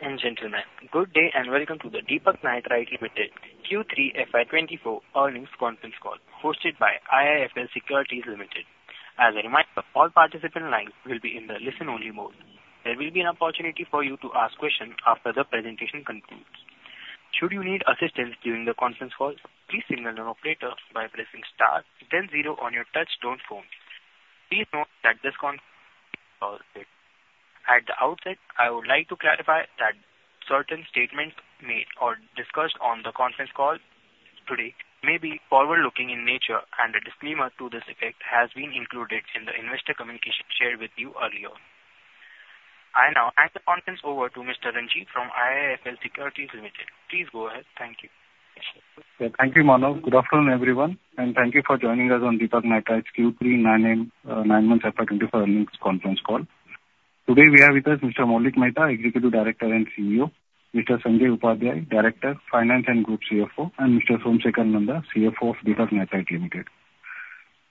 Gentlemen, good day and welcome to the Deepak Nitrite Limited Q3 FY24 earnings conference call hosted by IIFL Securities Limited. As a reminder, all participant lines will be in the listen-only mode. There will be an opportunity for you to ask questions after the presentation concludes. Should you need assistance during the conference call, please signal your operator by pressing star, then zero on your touch-tone phone. Please note that this conference call is at the outset. I would like to clarify that certain statements made or discussed on the conference call today may be forward-looking in nature, and a disclaimer to this effect has been included in the investor communication shared with you earlier. I now hand the conference over to Mr. Ranjit from IIFL Securities Limited. Please go ahead. Thank you. Thank you, Mano. Good afternoon, everyone, and thank you for joining us on Deepak Nitrite's Q3 9M/9Month FY24 earnings conference call. Today we have with us Mr. Maulik Mehta, Executive Director and CEO; Mr. Sanjay Upadhyay, Director, Finance and Group CFO; and Mr. Somsekhar Nanda, CFO of Deepak Nitrite Limited.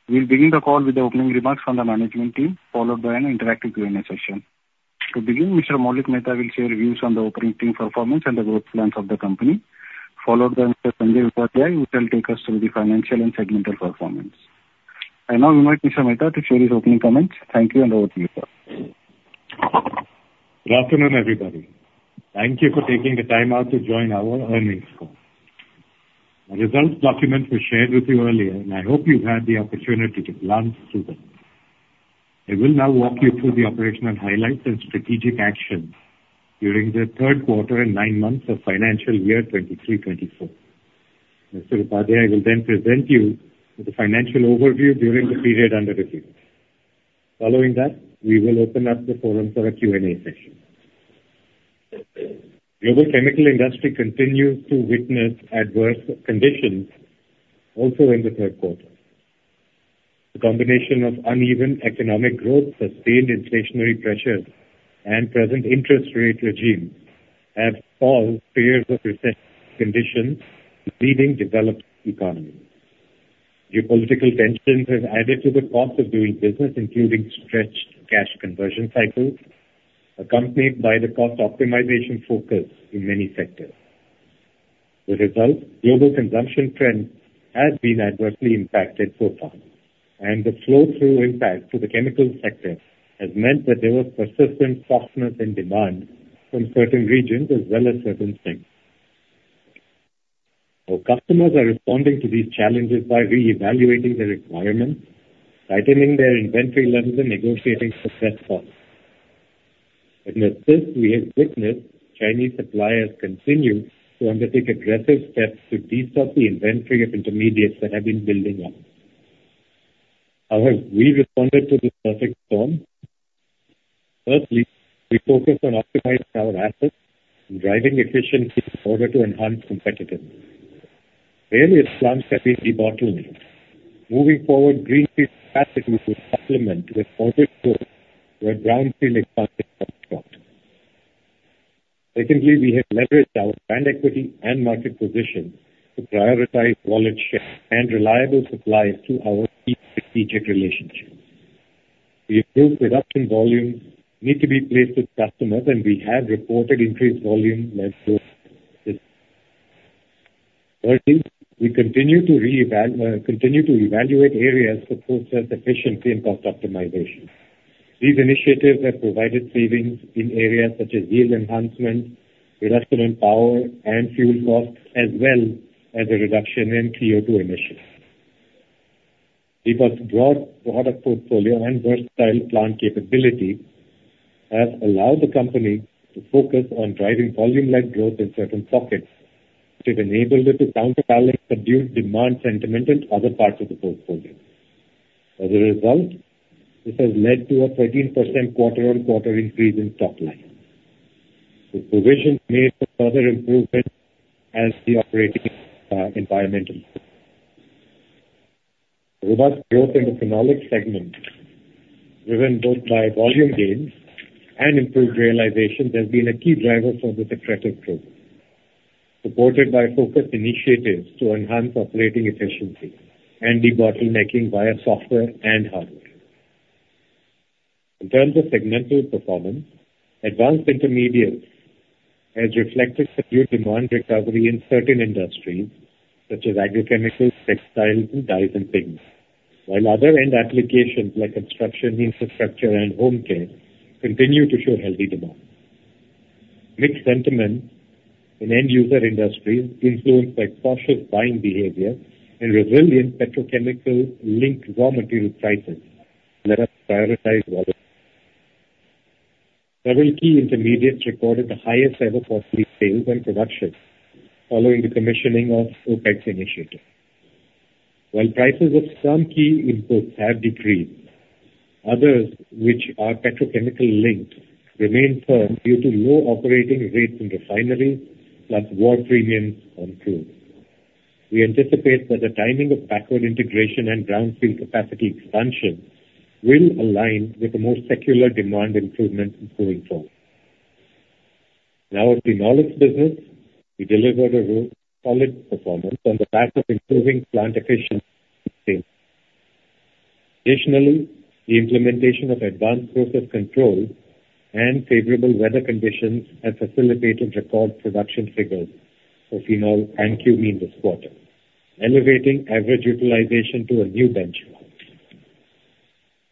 We'll begin the call with the opening remarks from the management team, followed by an interactive Q&A session. To begin, Mr. Maulik Mehta will share views on the operating team performance and the growth plans of the company, followed by Mr. Sanjay Upadhyay, who shall take us through the financial and segmental performance. I now invite Mr. Mehta to share his opening comments. Thank you and the overview for. Good afternoon, everybody. Thank you for taking the time out to join our earnings call. The results documents were shared with you earlier, and I hope you've had the opportunity to glance through them. I will now walk you through the operational highlights and strategic actions during the third quarter and nine months of financial year 2023/24. Mr. Upadhyay, I will then present you with the financial overview during the period under review. Following that, we will open up the forum for a Q&A session. Global chemical industry continues to witness adverse conditions also in the third quarter. The combination of uneven economic growth, sustained inflationary pressures, and present interest rate regimes have spawned periods of recessive conditions leading developed economies. Geopolitical tensions have added to the cost of doing business, including stretched cash conversion cycles accompanied by the cost optimization focus in many sectors. a result, global consumption trends have been adversely impacted so far, and the flow-through impact to the chemical sector has meant that there was persistent softness in demand from certain regions as well as certain sectors. Our customers are responding to these challenges by reevaluating their requirements, tightening their inventory levels, and negotiating supply costs. Amidst this, we have witnessed Chinese suppliers continue to undertake aggressive steps to destock the inventory of intermediates that have been building up. How have we responded to this perfect storm? Firstly, we focused on optimizing our assets and driving efficiency in order to enhance competitiveness. Lately, our plants have been de-bottlenecked. Moving forward, greenfield capacity was supplemented with organic growth where brownfield expansion was stopped. Secondly, we have leveraged our brand equity and market position to prioritize wallet share and reliable supplies to our key strategic relationships. We improved production volumes. Need to be placed with customers, and we have reported increased volume levels. Thirdly, we continue to evaluate areas for process efficiency and cost optimization. These initiatives have provided savings in areas such as yield enhancement, reduction in power and fuel costs, as well as a reduction in CO2 emissions. Deepak's broad portfolio and versatile plant capabilities have allowed the company to focus on driving volume-led growth in certain pockets, which have enabled it to counterbalance the demand sentiment in other parts of the portfolio. As a result, this has led to a 13% quarter-on-quarter increase in top line, with provisions made for further improvements as the operating environment improves. Robust growth in the Phenolics segment, driven both by volume gains and improved realizations, has been a key driver for this attractive growth, supported by focused initiatives to enhance operating efficiency and debottlenecking via software and hardware. In terms of segmental performance, Advanced Intermediates have reflected secular demand recovery in certain industries such as agrochemicals, textiles, dyes, and pigments, while other end applications like construction infrastructure and home care continue to show healthy demands. Mixed sentiment in end-user industries, influenced by cautious buying behavior and resilient petrochemical-linked raw material prices, let us prioritize wallets. Several key intermediates recorded the highest-ever quarterly sales and production following the commissioning of OpEx initiatives. While prices of some key inputs have decreased, others, which are petrochemical-linked, remain firm due to low operating rates in refineries plus war premiums on crude. We anticipate that the timing of backward integration and brownfield capacity expansion will align with a more secular demand improvement going forward. In our Phenolics business, we delivered a solid performance on the path of improving plant efficiency. Additionally, the implementation of Advanced Process Control and favorable weather conditions have facilitated record production figures for phenol and cumene this quarter, elevating average utilization to a new benchmark.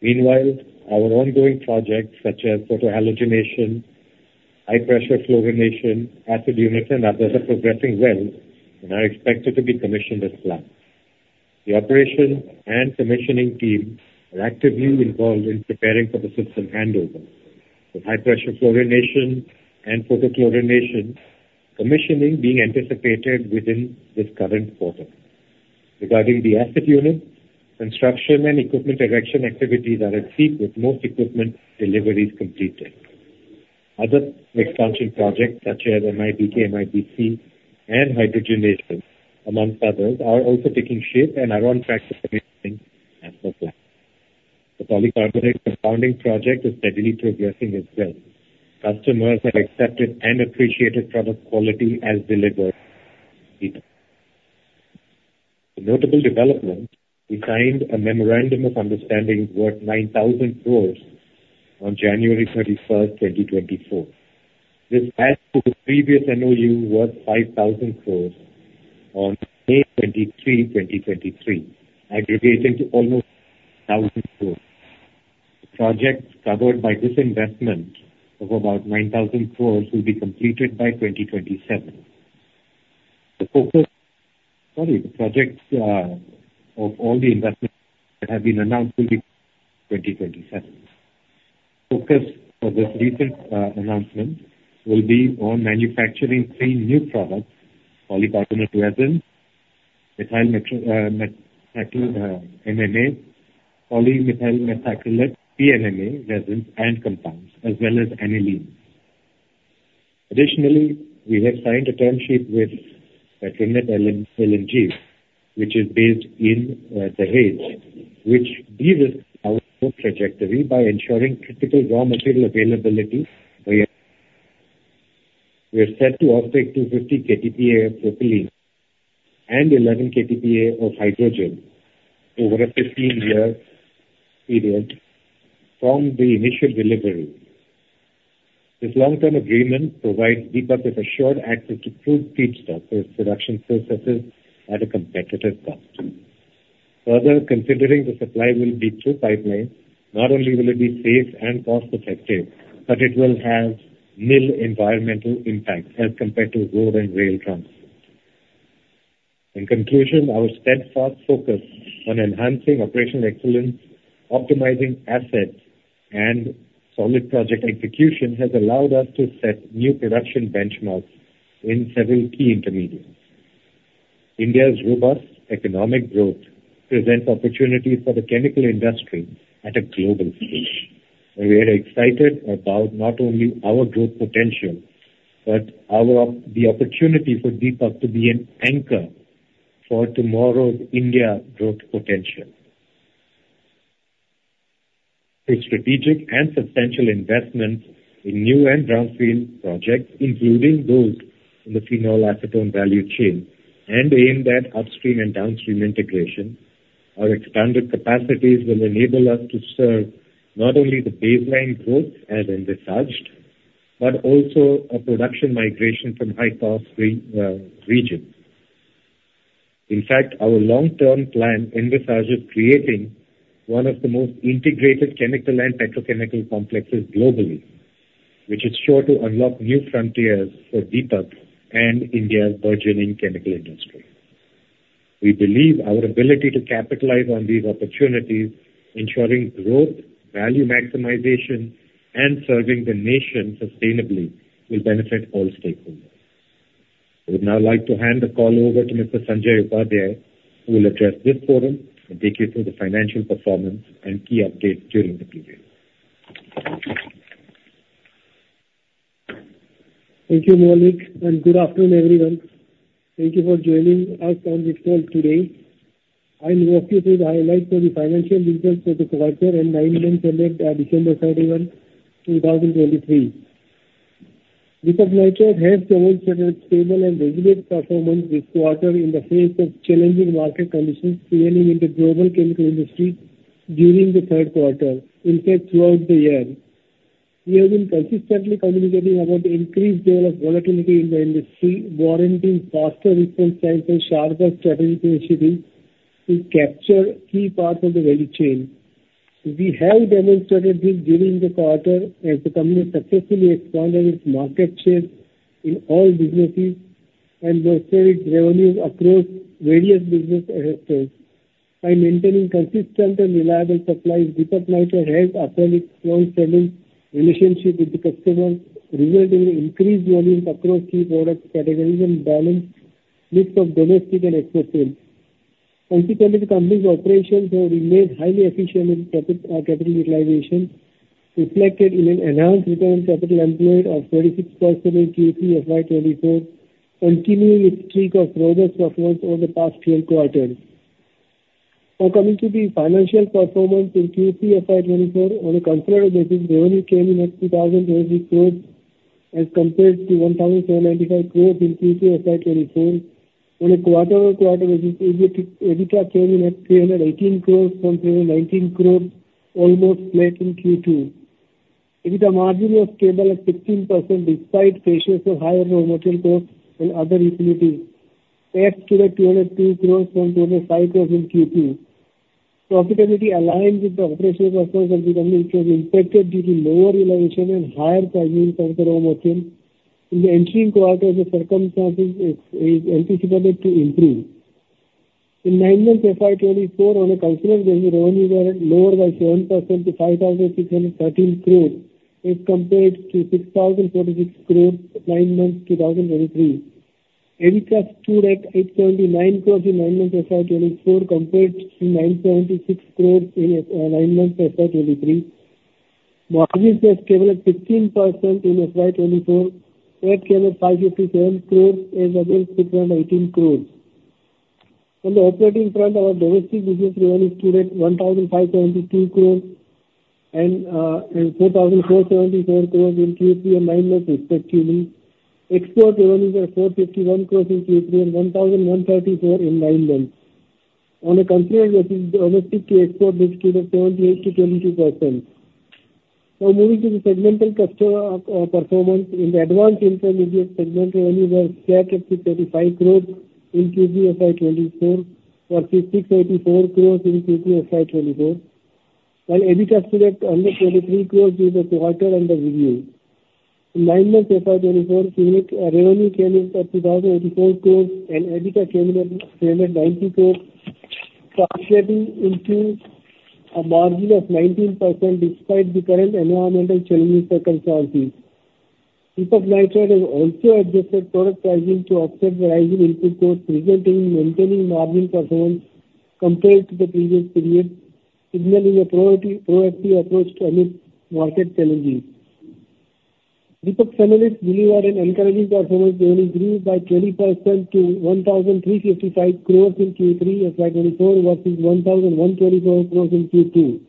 Meanwhile, our ongoing projects such as photohalogenation, high-pressure fluorination, acid units, and others are progressing well, and are expected to be commissioned as planned. The operation and commissioning teams are actively involved in preparing for the system handover, with high-pressure fluorination and photofluorination commissioning being anticipated within this current quarter. Regarding the acid units, construction and equipment erection activities are at peak, with most equipment deliveries completed. Other expansion projects such as MIBK, MIBC, and hydrogenation, amongst others, are also taking shape and are on track to commissioning as per plan. The polycarbonate compounding project is steadily progressing as well. Customers have accepted and appreciated product quality as delivered. A notable development: we signed a memorandum of understanding worth 9,000 crore on January 31st, 2024. This adds to the previous MOU worth 5,000 crore on May 23, 2023, aggregating to almost 1,000 crore. The projects covered by this investment of about 9,000 crore will be completed by 2027. The focus, sorry, the projects of all the investments that have been announced will be completed in 2027. The focus for this recent announcement will be on manufacturing three new products: polycarbonate resin, methyl methacrylate PMMA resins, and compounds, as well as aniline. Additionally, we have signed a term sheet with Petronet LNG, which is based in New Delhi, which derisks our growth trajectory by ensuring critical raw material availability via. We are set to offtake 250 KTPA of propylene and 11 KTPA of hydrogen over a 15-year period from the initial delivery. This long-term agreement provides Deepak with assured access to crude feedstocks for its production processes at a competitive cost. Further, considering the supply will be through pipelines, not only will it be safe and cost-effective, but it will have nil environmental impact as compared to road and rail transport. In conclusion, our steadfast focus on enhancing operational excellence, optimizing assets, and solid project execution has allowed us to set new production benchmarks in several key intermediates. India's robust economic growth presents opportunities for the chemical industry at a global scale, and we are excited about not only our growth potential but the opportunity for Deepak to be an anchor for tomorrow's India growth potential. Through strategic and substantial investments in new and brownfield projects, including those in the Phenol Acetone value chain and aimed at upstream and downstream integration, our expanded capacities will enable us to serve not only the baseline growth as envisaged but also a production migration from high-cost regions. In fact, our long-term plan envisages creating one of the most integrated chemical and petrochemical complexes globally, which is sure to unlock new frontiers for Deepak and India's burgeoning chemical industry. We believe our ability to capitalize on these opportunities, ensuring growth, value maximization, and serving the nation sustainably will benefit all stakeholders. I would now like to hand the call over to Mr. Sanjay Upadhyay, who will address this forum and take you through the financial performance and key updates during the period. Thank you, Maulik, and good afternoon, everyone. Thank you for joining us on this call today. I will walk you through the highlights of the financial results for this quarter and 9M ended December 31, 2023. Deepak Nitrite has demonstrated stable and resilient performance this quarter in the face of challenging market conditions prevailing in the global chemical industry during the third quarter, in fact, throughout the year. We have been consistently communicating about the increased level of volatility in the industry, warranting faster response times, and sharper strategic initiatives to capture key parts of the value chain. We have demonstrated this during the quarter as the company successfully expanded its market share in all businesses and increased revenues across various business areas. By maintaining consistent and reliable supplies, Deepak Nitrite has upheld its long-standing relationship with the customers, resulting in increased volumes across key product categories and balanced mix of domestic and export sales. Consequently, the company's operations have remained highly efficient in capital utilization, reflected in an enhanced return on capital employed of 26% in Q3 FY24, continuing its streak of robust performance over the past 12 quarters. Now coming to the financial performance in Q3 FY24, on a consolidated basis, revenue came in at 2,023 crores as compared to 1,795 crores in Q3 FY24. On a quarter-on-quarter basis, EBITDA came in at 318 crores from 319 crores, almost flat in Q2. EBITDA margin was stable at 16% despite pressures of higher raw material costs and other utilities, adds to the 202 crores from 205 crores in Q2. Profitability aligns with the operational performance of the company, which was impacted due to lower realization and higher sizing of the raw material. In the entering quarter, the circumstances are anticipated to improve. In 9M FY24, on a consolidated basis, revenues are lower by 7% to 5,613 crores as compared to 6,046 crores 9 months 2023. EBITDA stood at 879 crores in 9M FY24 compared to 976 crores in 9 months FY23. Margins were stable at 15% in FY24. Net came at 557 crores as above 618 crores. On the operating front, our domestic business revenues stood at 1,572 crores and 4,474 crores in Q3 and 9 months, respectively. Export revenues are 451 crores in Q3 and 1,134 crores in 9 months. On a consolidated basis, domestic key exports disclosed at 78%-22%. Now, moving to the segmental customer performance, in the Advanced Intermediates segment revenues were set at INR 635 crore in Q3 FY24 or INR 684 crore in Q3 FY24, while EBITDA stood at under INR 23 crore during the quarter under review. In 9 months FY24, revenue came in at INR 2,084 crore and EBITDA came in at INR 390 crore, calculating into a margin of 19% despite the current environmental challenging circumstances. Deepak Nitrite has also adjusted product pricing to offset the rising input costs, maintaining margin performance compared to the previous period, signaling a proactive approach to amid market challenges. Deepak Phenolics believe that an encouraging performance revenue grew by 20% to 1,355 crore in Q3 FY24 versus 1,124 crore in Q2,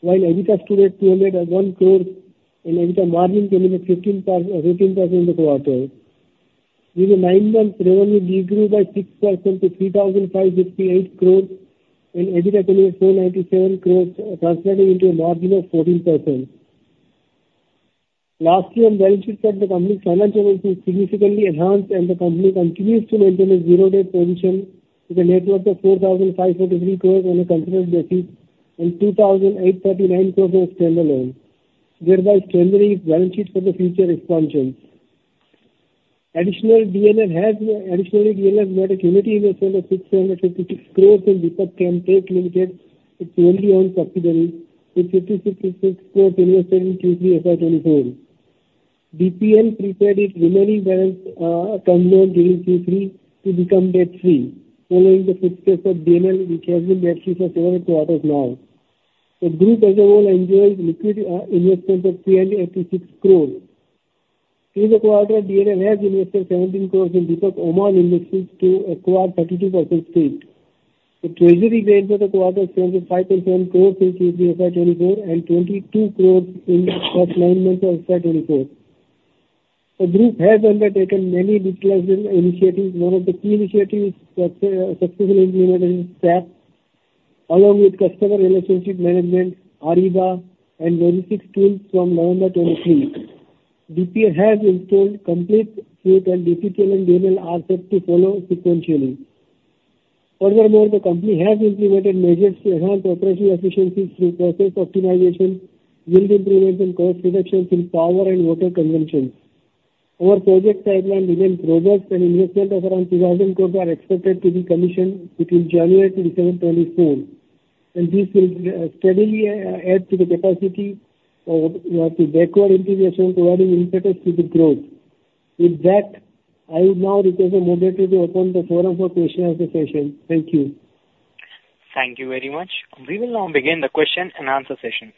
while EBITDA stood at 201 crore and EBITDA margin came in at 15% in the quarter. During the 9 months, revenue degrew by 6% to 3,558 crores and EBITDA came in at 497 crores, translating into a margin of 14%. Last year, on balance sheet side, the company's financial aims were significantly enhanced, and the company continues to maintain a zero-debt position with a net worth of 4,543 crores on a consolidated basis and 2,839 crores standalone, thereby strengthening its balance sheet for the future expansion. Additionally, DNL has bought a unit in the sale of 656 crores, and Deepak Chem Tech Limited its wholly-owned subsidiary with 566 crores invested in Q3 FY 2024. DPL repaid its remaining balance during Q3 to become debt-free, following the footsteps of DNL, which has been debt-free for several quarters now. The group as a whole enjoys liquid investments of 386 crores. During the quarter, DNL has invested 17 crores in Deepak Oman Industries to acquire 32% stake. The treasury grants for the quarter expands to 5.7 crore in Q3 FY24 and 22 crore in the first nine months of FY24. The group has undertaken many digitalization initiatives. One of the key initiatives successfully implemented is SAP, along with customer relationship management, Ariba, and logistics tools from November 2023. DPL has installation complete. First, and DPTL and DNL are set to follow sequentially. Furthermore, the company has implemented measures to enhance operational efficiencies through process optimization, yield improvements, and cost reductions in power and water consumption. Our project pipeline remains robust, and investments of around 2,000 crore are expected to be commissioned between January 27, 2024. This will steadily add to the capacity to backward integration, providing incentives to the growth. With that, I would now request the moderator to open the forum for questions and answers session. Thank you. Thank you very much. We will now begin the question and answer session.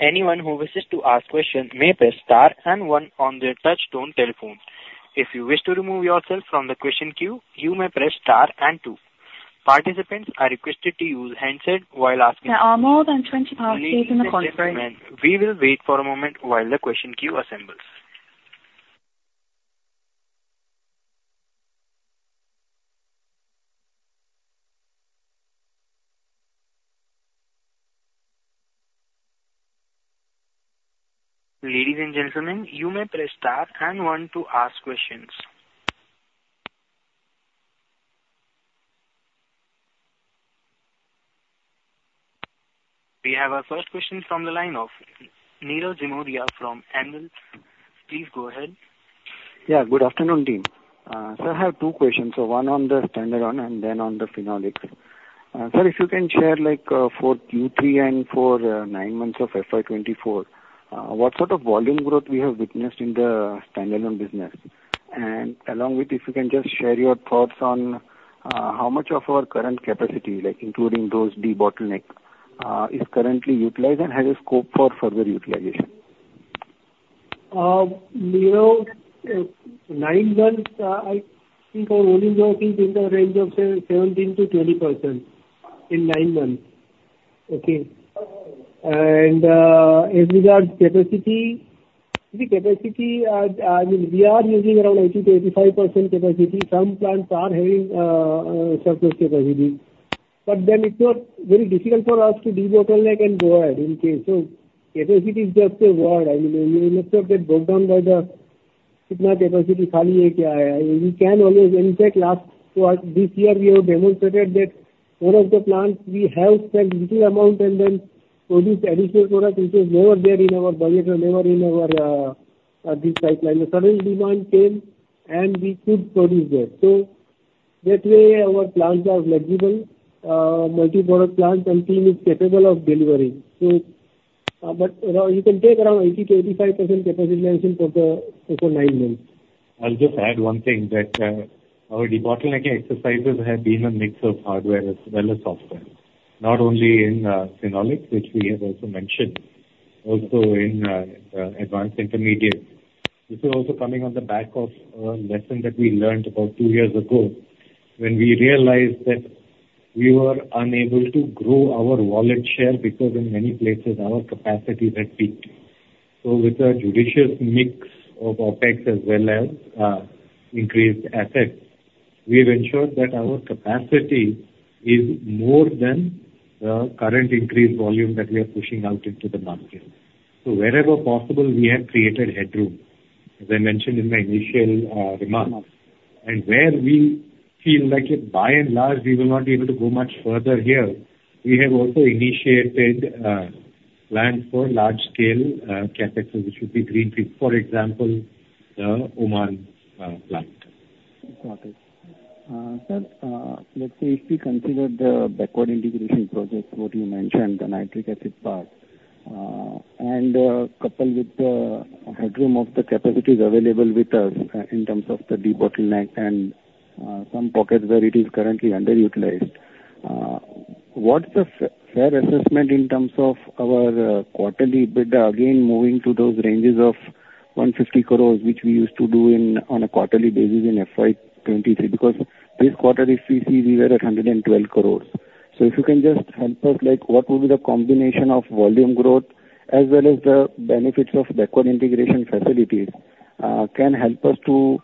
Anyone who wishes to ask questions may press star and one on their touch-tone telephone. If you wish to remove yourself from the question queue, you may press star and two. Participants are requested to use handset while asking. There are more than 20 participants in the conference. Ladies and gentlemen, we will wait for a moment while the question queue assembles. Ladies and gentlemen, you may press star and one to ask questions. We have our first question from the line of Nirav Jimudia from Anvil. Please go ahead. Yeah, good afternoon, team. So I have two questions, one on the standalone and then on the Phenolics. Sir, if you can share for Q3 and for nine months of FY 2024, what sort of volume growth we have witnessed in the standalone business? And along with, if you can just share your thoughts on how much of our current capacity, including those de-bottlenecking, is currently utilized and has a scope for further utilization? Nero, nine months, I think our volume growth is in the range of 17%-20% in nine months. Okay. And as regards capacity, I mean, we are using around 80%-85% capacity. Some plants are having surplus capacity. But then it's not very difficult for us to de-bottleneck and go ahead in case. So capacity is just a word. I mean, you must have that broken down by the, "It's not capacity," "Khali kya We can always in fact, last this year, we have demonstrated that one of the plants, we have spent a little amount and then produced additional products, which was never there in our budget or never in our pipeline. A sudden demand came, and we could produce that. So that way, our plants are flexible, multi-product plants, and team is capable of delivering. You can take around 80%-85% capacity levels for the nine months. I'll just add one thing, that our de-bottlenecking exercises have been a mix of hardware as well as software, not only in Phenolics, which we have also mentioned, also in Advanced Intermediates. This is also coming on the back of a lesson that we learned about two years ago when we realized that we were unable to grow our wallet share because in many places, our capacities had peaked. So with a judicious mix of OpEx as well as increased assets, we have ensured that our capacity is more than the current increased volume that we are pushing out into the market. So wherever possible, we have created headroom, as I mentioned in my initial remarks. Where we feel like by and large, we will not be able to go much further here, we have also initiated plans for large-scale CapExes, which would be greenfield, for example, the Oman plant. Got it. Sir, let's say if we consider the backward integration projects, what you mentioned, the nitric acid part, and couple with the headroom of the capacities available with us in terms of the de-bottlenecking and some pockets where it is currently underutilized, what's a fair assessment in terms of our quarterly EBITDA again moving to those ranges of 150 crore, which we used to do on a quarterly basis in FY23? Because this quarter, if we see, we were at 112 crore. So if you can just help us, what would be the combination of volume growth as well as the benefits of backward integration facilities can help us to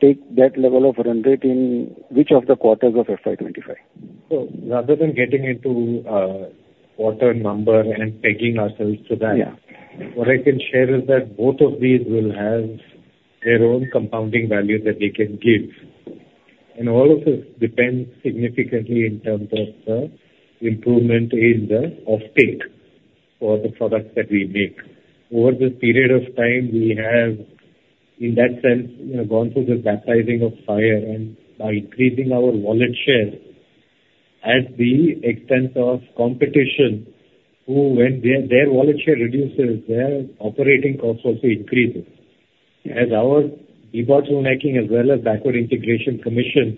take that level of run rate in which of the quarters of FY25? So rather than getting into quarter number and pegging ourselves to that, what I can share is that both of these will have their own compounding value that they can give. And all of this depends significantly in terms of the improvement in the uptake for the products that we make. Over this period of time, we have, in that sense, gone through the baptism of fire and by increasing our wallet share at the expense of competition, when their wallet share reduces, their operating costs also increases. As our de-bottlenecking as well as backward integration commissioning,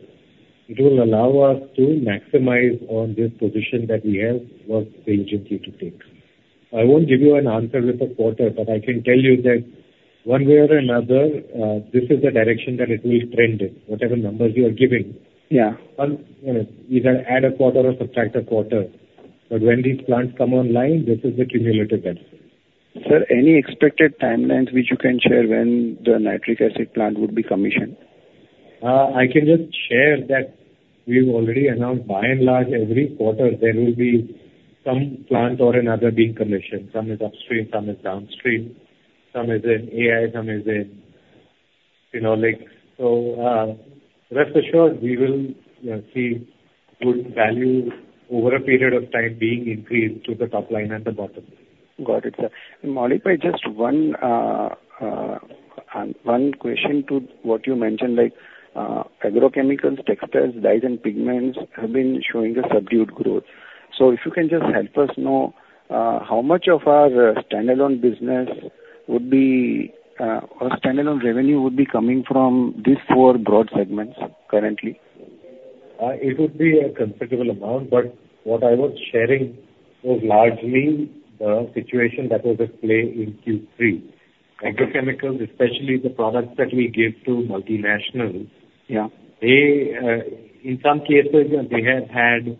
it will allow us to maximize on this position that we have what the advantage to take. I won't give you an answer with a quarter, but I can tell you that one way or another, this is the direction that it will trend in, whatever numbers you are giving, either add a quarter or subtract a quarter. But when these plants come online, this is the cumulative benefit. Sir, any expected timelines which you can share when the nitric acid plant would be commissioned? I can just share that we've already announced by and large, every quarter, there will be some plant or another being commissioned. Some is upstream, some is downstream, some is in AI, some is in Phenolics. So rest assured, we will see good value over a period of time being increased to the top line and the bottom. Got it, sir. Maulik, just one question to what you mentioned. Agrochemicals, textures, dyes, and pigments have been showing a subdued growth. So if you can just help us know how much of our standalone business would be our standalone revenue would be coming from these four broad segments currently? It would be a considerable amount. But what I was sharing was largely the situation that was at play in Q3. Agrochemicals, especially the products that we give to multinationals, in some cases, they have had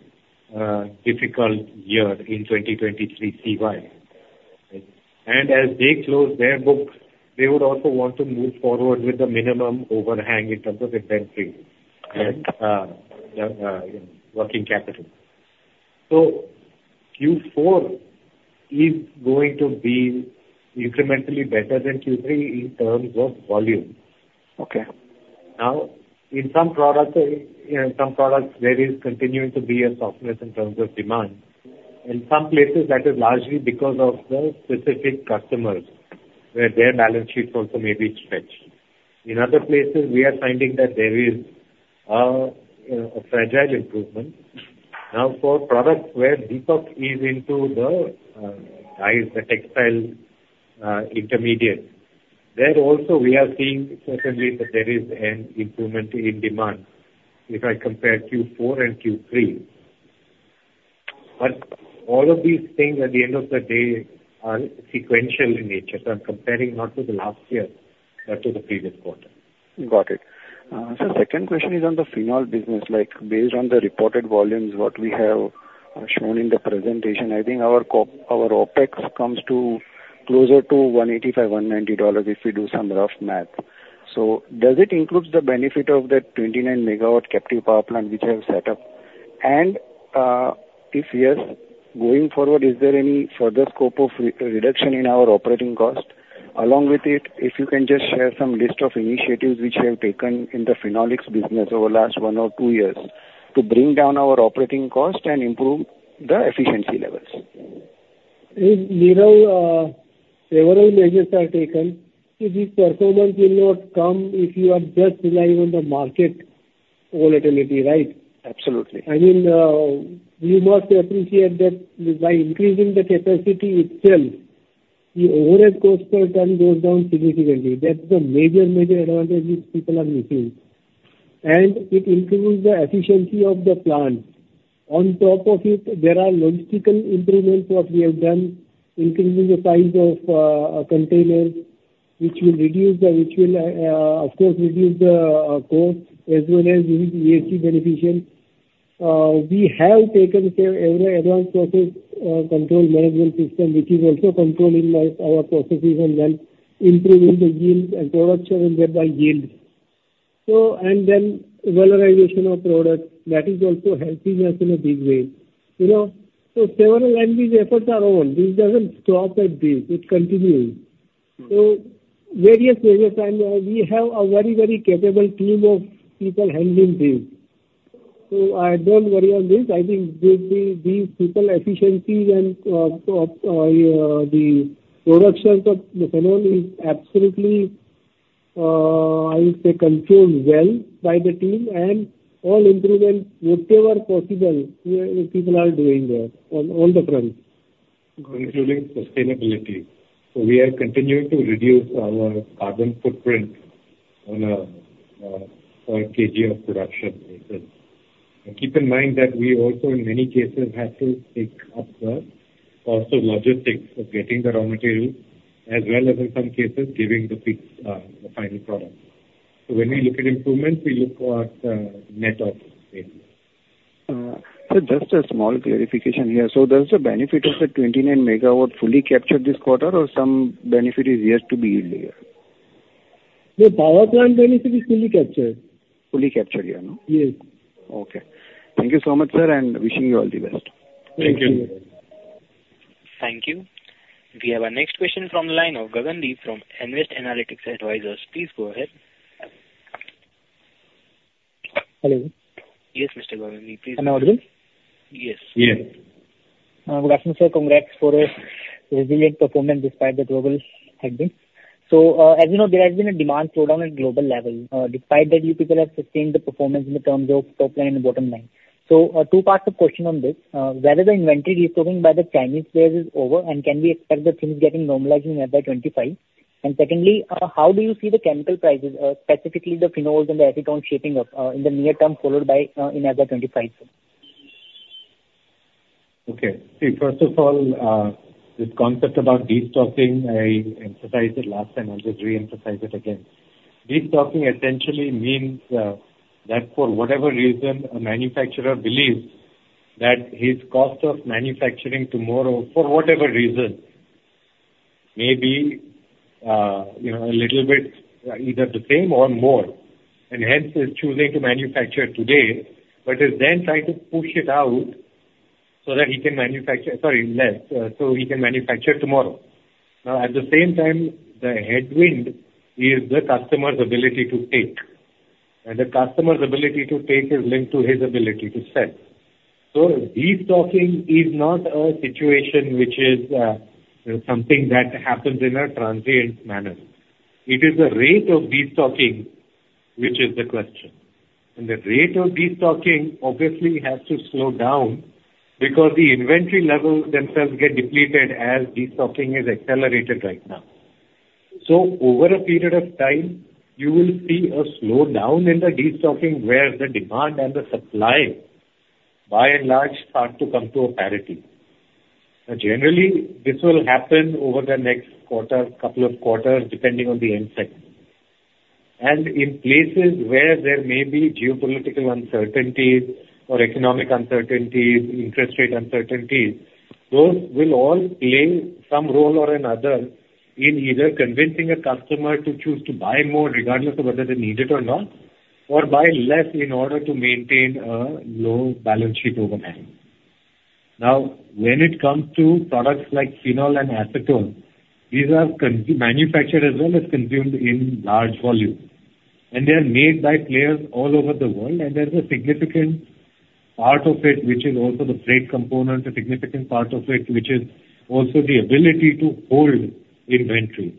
a difficult year in 2023 CY. As they close their books, they would also want to move forward with the minimum overhang in terms of inventory and working capital. So Q4 is going to be incrementally better than Q3 in terms of volume. Now, in some products, there is continuing to be a softness in terms of demand. In some places, that is largely because of the specific customers where their balance sheets also may be stretched. In other places, we are finding that there is a fragile improvement. Now, for products where Deepak is into the dyes, the textile intermediate, there also, we are seeing certainly that there is an improvement in demand if I compare Q4 and Q3. But all of these things, at the end of the day, are sequential in nature. So I'm comparing not to the last year, but to the previous quarter. Got it. Sir, second question is on the Phenol business. Based on the reported volumes, what we have shown in the presentation, I think our OpEx comes closer to $185-$190 if we do some rough math. So does it include the benefit of that 29-megawatt captive power plant which I have set up? And if yes, going forward, is there any further scope of reduction in our operating cost? Along with it, if you can just share some list of initiatives which you have taken in the Phenolics business over the last one or two years to bring down our operating cost and improve the efficiency levels. Now, several measures are taken. This performance will not come if you are just relying on the market volatility, right? Absolutely. I mean, you must appreciate that by increasing the capacity itself, the overhead cost per ton goes down significantly. That's the major, major advantage which people are missing. And it improves the efficiency of the plant. On top of it, there are logistical improvements what we have done, increasing the size of containers, which will, of course, reduce the cost as well as ESG beneficial. We have taken every Advanced Process Control management system, which is also controlling our processes and then improving the yields and production and thereby yield. And then valorization of products, that is also helping us in a big way. So several and these efforts are on. This doesn't stop at this. It continues. So various, various times, we have a very, very capable team of people handling this. So I don't worry on this. I think these people efficiencies and the productions of the Phenol is absolutely, I would say, controlled well by the team. All improvements, whatever possible, people are doing there on all the fronts. Including sustainability. So we are continuing to reduce our carbon footprint on a per kg of production. Keep in mind that we also, in many cases, have to take up the cost of logistics of getting the raw materials as well as, in some cases, giving the final product. So when we look at improvements, we look at net ops basically. Sir, just a small clarification here. Does the benefit of the 29 MW fully capture this quarter, or some benefit is yet to be yielded here? The power plant benefit is fully captured. Fully captured here, no? Yes. Okay. Thank you so much, sir, and wishing you all the best. Thank you. Thank you. We have our next question from the line of Govind from Nvest Analytics Advisors. Please go ahead. Hello? Yes, Mr. Govind. Please go ahead. Yes. Yes. Good afternoon, sir. Congrats for a resilient performance despite the troubles had been. So as you know, there has been a demand slowdown at global level despite that you people have sustained the performance in terms of top line and bottom line. So two parts of question on this. Whether the inventory restocking by the Chinese players is over and can we expect the things getting normalized in FY25? And secondly, how do you see the chemical prices, specifically the phenols and the acetones, shaping up in the near term followed by in FY25? Okay. See, first of all, this concept about restocking, I emphasized it last time. I'll just reemphasize it again. Restocking essentially means that for whatever reason, a manufacturer believes that his cost of manufacturing tomorrow, for whatever reason, may be a little bit either the same or more. And hence, he's choosing to manufacture today but is then trying to push it out so that he can manufacture sorry, less, so he can manufacture tomorrow. Now, at the same time, the headwind is the customer's ability to take. And the customer's ability to take is linked to his ability to sell. So restocking is not a situation which is something that happens in a transient manner. It is the rate of restocking which is the question. And the rate of restocking, obviously, has to slow down because the inventory levels themselves get depleted as restocking is accelerated right now. So over a period of time, you will see a slowdown in the restocking where the demand and the supply, by and large, start to come to a parity. Generally, this will happen over the next couple of quarters depending on the end-use. And in places where there may be geopolitical uncertainties or economic uncertainties, interest rate uncertainties, those will all play some role or another in either convincing a customer to choose to buy more regardless of whether they need it or not or buy less in order to maintain a low balance sheet overhead. Now, when it comes to products like Phenol and Acetone, these are manufactured as well as consumed in large volume. And they are made by players all over the world. There's a significant part of it which is also the freight component, a significant part of it which is also the ability to hold inventory.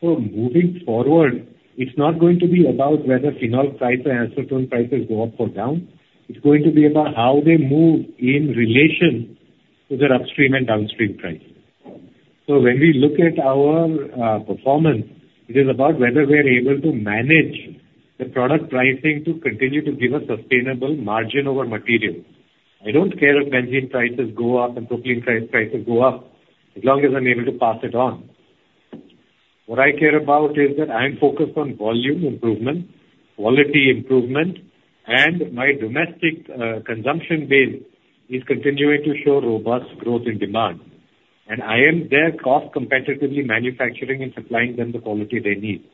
So moving forward, it's not going to be about whether phenol price or acetone prices go up or down. It's going to be about how they move in relation to their upstream and downstream prices. So when we look at our performance, it is about whether we are able to manage the product pricing to continue to give a sustainable margin over materials. I don't care if benzene prices go up and propylene prices go up as long as I'm able to pass it on. What I care about is that I'm focused on volume improvement, quality improvement, and my domestic consumption base is continuing to show robust growth in demand. And I am there cost-competitively manufacturing and supplying them the quality they need.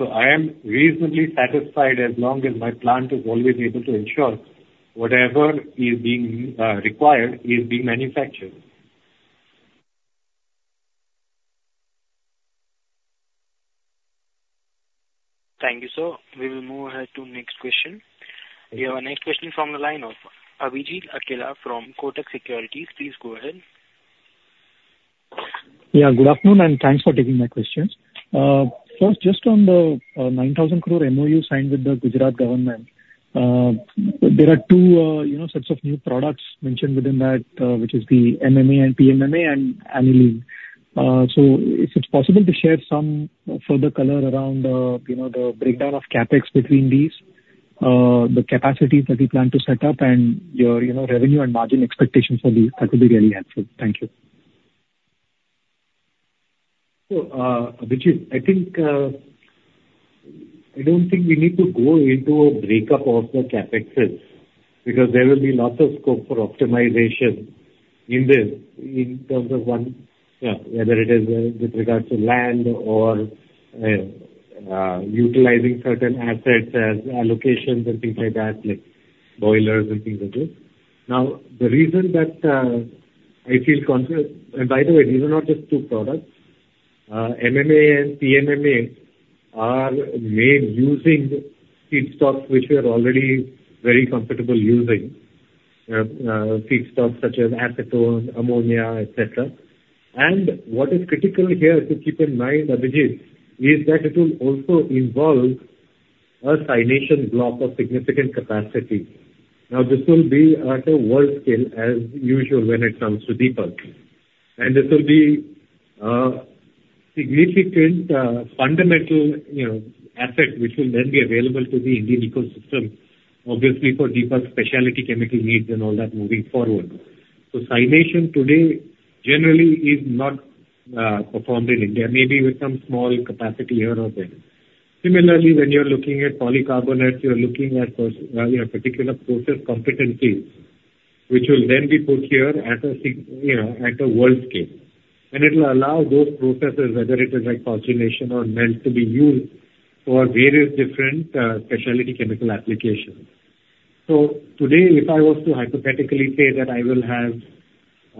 I am reasonably satisfied as long as my plant is always able to ensure whatever is being required is being manufactured. Thank you, sir. We will move ahead to the next question. We have our next question from the line of Abhijit Akella from Kotak Securities. Please go ahead. Yeah. Good afternoon, and thanks for taking my questions. First, just on the 9,000 crore MOU signed with the Gujarat government, there are two sets of new products mentioned within that which is the MMA and PMMA and Aniline. So if it's possible to share some further color around the breakdown of CapEx between these, the capacities that we plan to set up, and your revenue and margin expectations for these, that would be really helpful. Thank you. So, Abhijit, I don't think we need to go into a breakup of the CapExes because there will be lots of scope for optimization in this in terms of one. Yeah, whether it is with regards to land or utilizing certain assets as allocations and things like that, like boilers and things like this. Now, the reason that I feel, and by the way, these are not just two products. MMA and PMMA are made using feedstocks which we are already very comfortable using, feedstocks such as acetone, ammonia, etc. And what is critical here to keep in mind, Abhijit, is that it will also involve a signation block of significant capacity. Now, this will be at a world scale as usual when it comes to Deepak. This will be a significant fundamental asset which will then be available to the Indian ecosystem, obviously, for Deepak's specialty chemical needs and all that moving forward. So Signation today, generally, is not performed in India. Maybe with some small capacity here or there. Similarly, when you're looking at polycarbonates, you're looking at particular process competencies which will then be put here at a world scale. And it will allow those processes, whether it is like calcination or melt, to be used for various different specialty chemical applications. So today, if I was to hypothetically say that I will have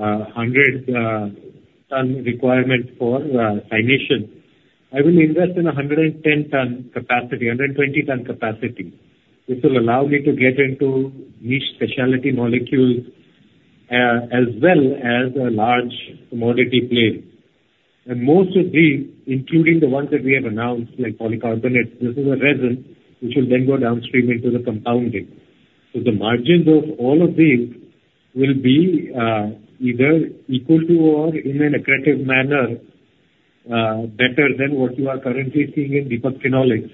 100-ton requirement for Signation, I will invest in 110-ton capacity, 120-ton capacity. This will allow me to get into niche specialty molecules as well as large commodity players. Most of these, including the ones that we have announced like polycarbonates, this is a resin which will then go downstream into the compounding. The margins of all of these will be either equal to or, in an accretive manner, better than what you are currently seeing in Deepak Phenolics.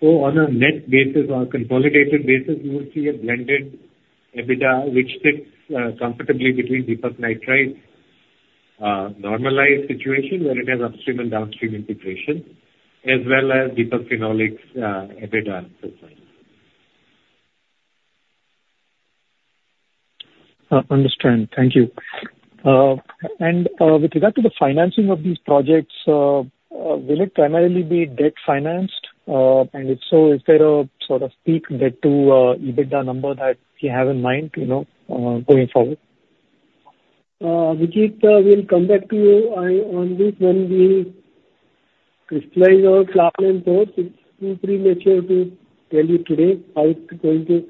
On a net basis or consolidated basis, you will see a blended EBITDA which sits comfortably between Deepak Nitrite's normalized situation where it has upstream and downstream integration as well as Deepak Phenolics' EBITDA profile. Understand. Thank you. And with regard to the financing of these projects, will it primarily be debt-financed? And if so, is there a sort of peak debt-to-EBITDA number that you have in mind going forward? Abhijit, we'll come back to you on this when we crystallize our baseline costs. It's too premature to tell you today how it's going to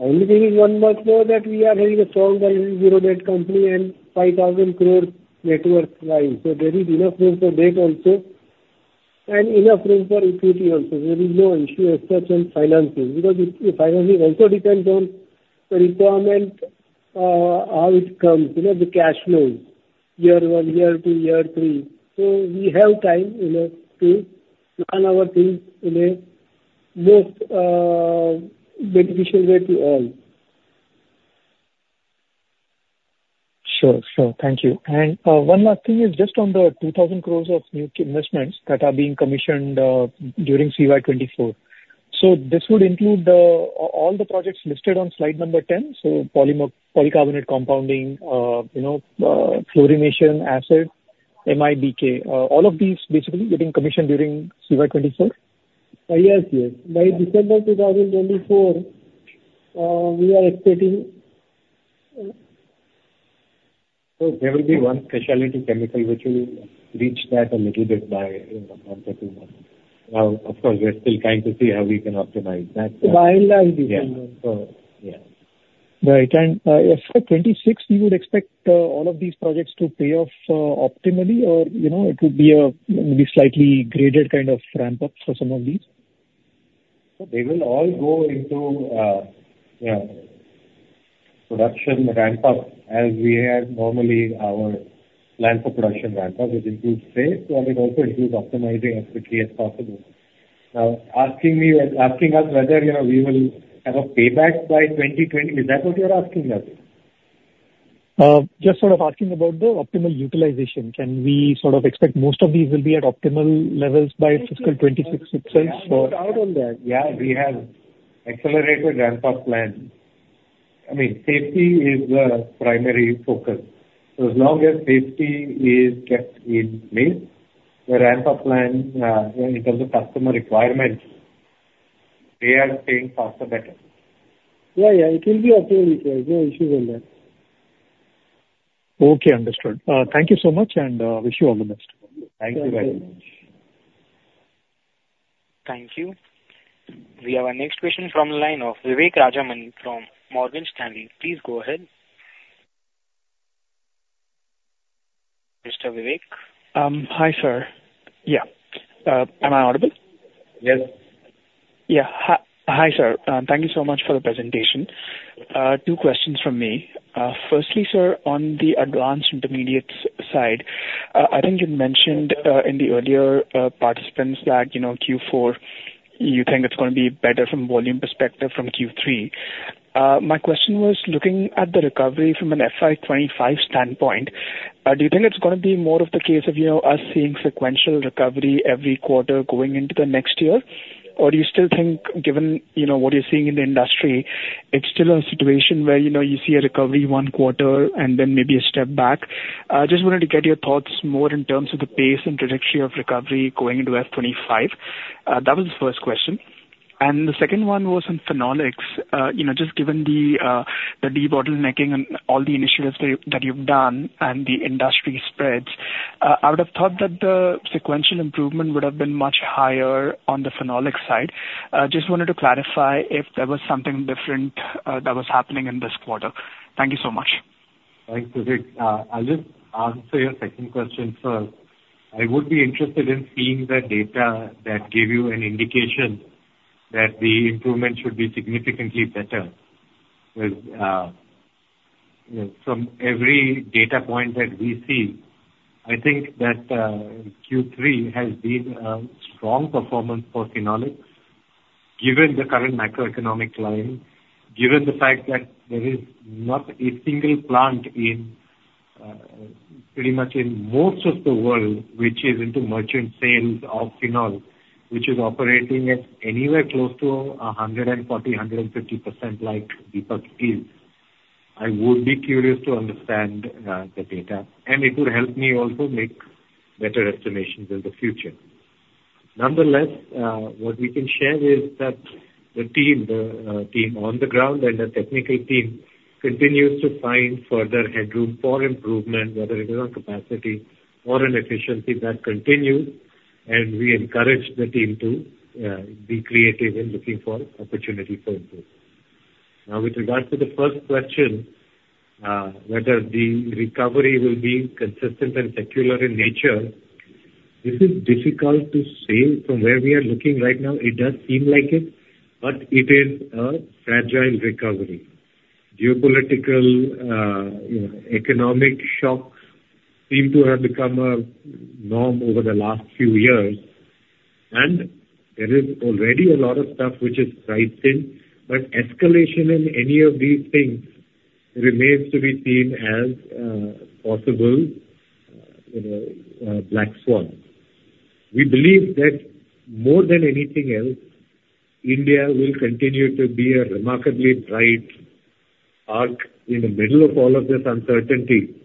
only give you one word more that we are having a strong value zero debt company and 5,000 crore net worth line. So there is enough room for debt also and enough room for equity also. There is no issue as such on finances because the finances also depend on the requirement, how it comes, the cash flows, year one, year two, year three. So we have time to plan our things in a most beneficial way to all. Sure. Sure. Thank you. One last thing is just on the 2,000 crore of new investments that are being commissioned during CY24. So this would include all the projects listed on slide number 10, so polycarbonate compounding, fluorination asset, MIBK. All of these basically getting commissioned during CY24? Yes. Yes. By December 2024, we are expecting. There will be one specialty chemical which will reach that a little bit by one to two months. Now, of course, we're still trying to see how we can optimize that. By and large, December. Yeah. Yeah. Right. And FY26, you would expect all of these projects to pay off optimally, or it would be a slightly graded kind of ramp-up for some of these? They will all go into production ramp-up as we have normally our plan for production ramp-up, which includes CAPEX, and it also includes optimizing as quickly as possible. Now, asking us whether we will have a payback by 2020, is that what you're asking us? Just sort of asking about the optimal utilization. Can we sort of expect most of these will be at optimal levels by fiscal 2026 itself for? Yeah. Out on that, yeah, we have accelerated ramp-up plan. I mean, safety is the primary focus. So as long as safety is kept in place, the ramp-up plan, in terms of customer requirements, they are staying faster, better. Yeah. Yeah. It will be okay with you. There's no issues on that. Okay. Understood. Thank you so much, and wish you all the best. Thank you very much. Thank you. We have our next question from the line of Vivek Rajamani from Morgan Stanley. Please go ahead, Mr. Vivek. Hi, sir. Yeah. Am I audible? Yes. Yeah. Hi, sir. Thank you so much for the presentation. Two questions from me. Firstly, sir, on the Advanced Intermediates side, I think you mentioned in the earlier participants that Q4, you think it's going to be better from a volume perspective from Q3. My question was, looking at the recovery from an FY25 standpoint, do you think it's going to be more of the case of us seeing sequential recovery every quarter going into the next year, or do you still think, given what you're seeing in the industry, it's still a situation where you see a recovery one quarter and then maybe a step back? I just wanted to get your thoughts more in terms of the pace and trajectory of recovery going into FY25. That was the first question. And the second one was on Phenolics. Just given the De-bottlenecking and all the initiatives that you've done and the industry spreads, I would have thought that the sequential improvement would have been much higher on the phenolic side. Just wanted to clarify if there was something different that was happening in this quarter. Thank you so much. Thanks, Vivek. I'll just answer your second question first. I would be interested in seeing the data that gave you an indication that the improvement should be significantly better. From every data point that we see, I think that Q3 has been a strong performance for Phenolics given the current macroeconomic climate, given the fact that there is not a single plant pretty much in most of the world which is into merchant sales of Phenol which is operating at anywhere close to 140%-150% like Deepak is. I would be curious to understand the data. It would help me also make better estimations in the future. Nonetheless, what we can share is that the team on the ground and the technical team continues to find further headroom for improvement, whether it is on capacity or on efficiency, that continues. We encourage the team to be creative in looking for opportunity for improvement. Now, with regards to the first question, whether the recovery will be consistent and secular in nature, this is difficult to say. From where we are looking right now, it does seem like it, but it is a fragile recovery. Geopolitical, economic shocks seem to have become a norm over the last few years. And there is already a lot of stuff which is priced in. But escalation in any of these things remains to be seen as possible black swan. We believe that more than anything else, India will continue to be a remarkably bright arc in the middle of all of this uncertainty.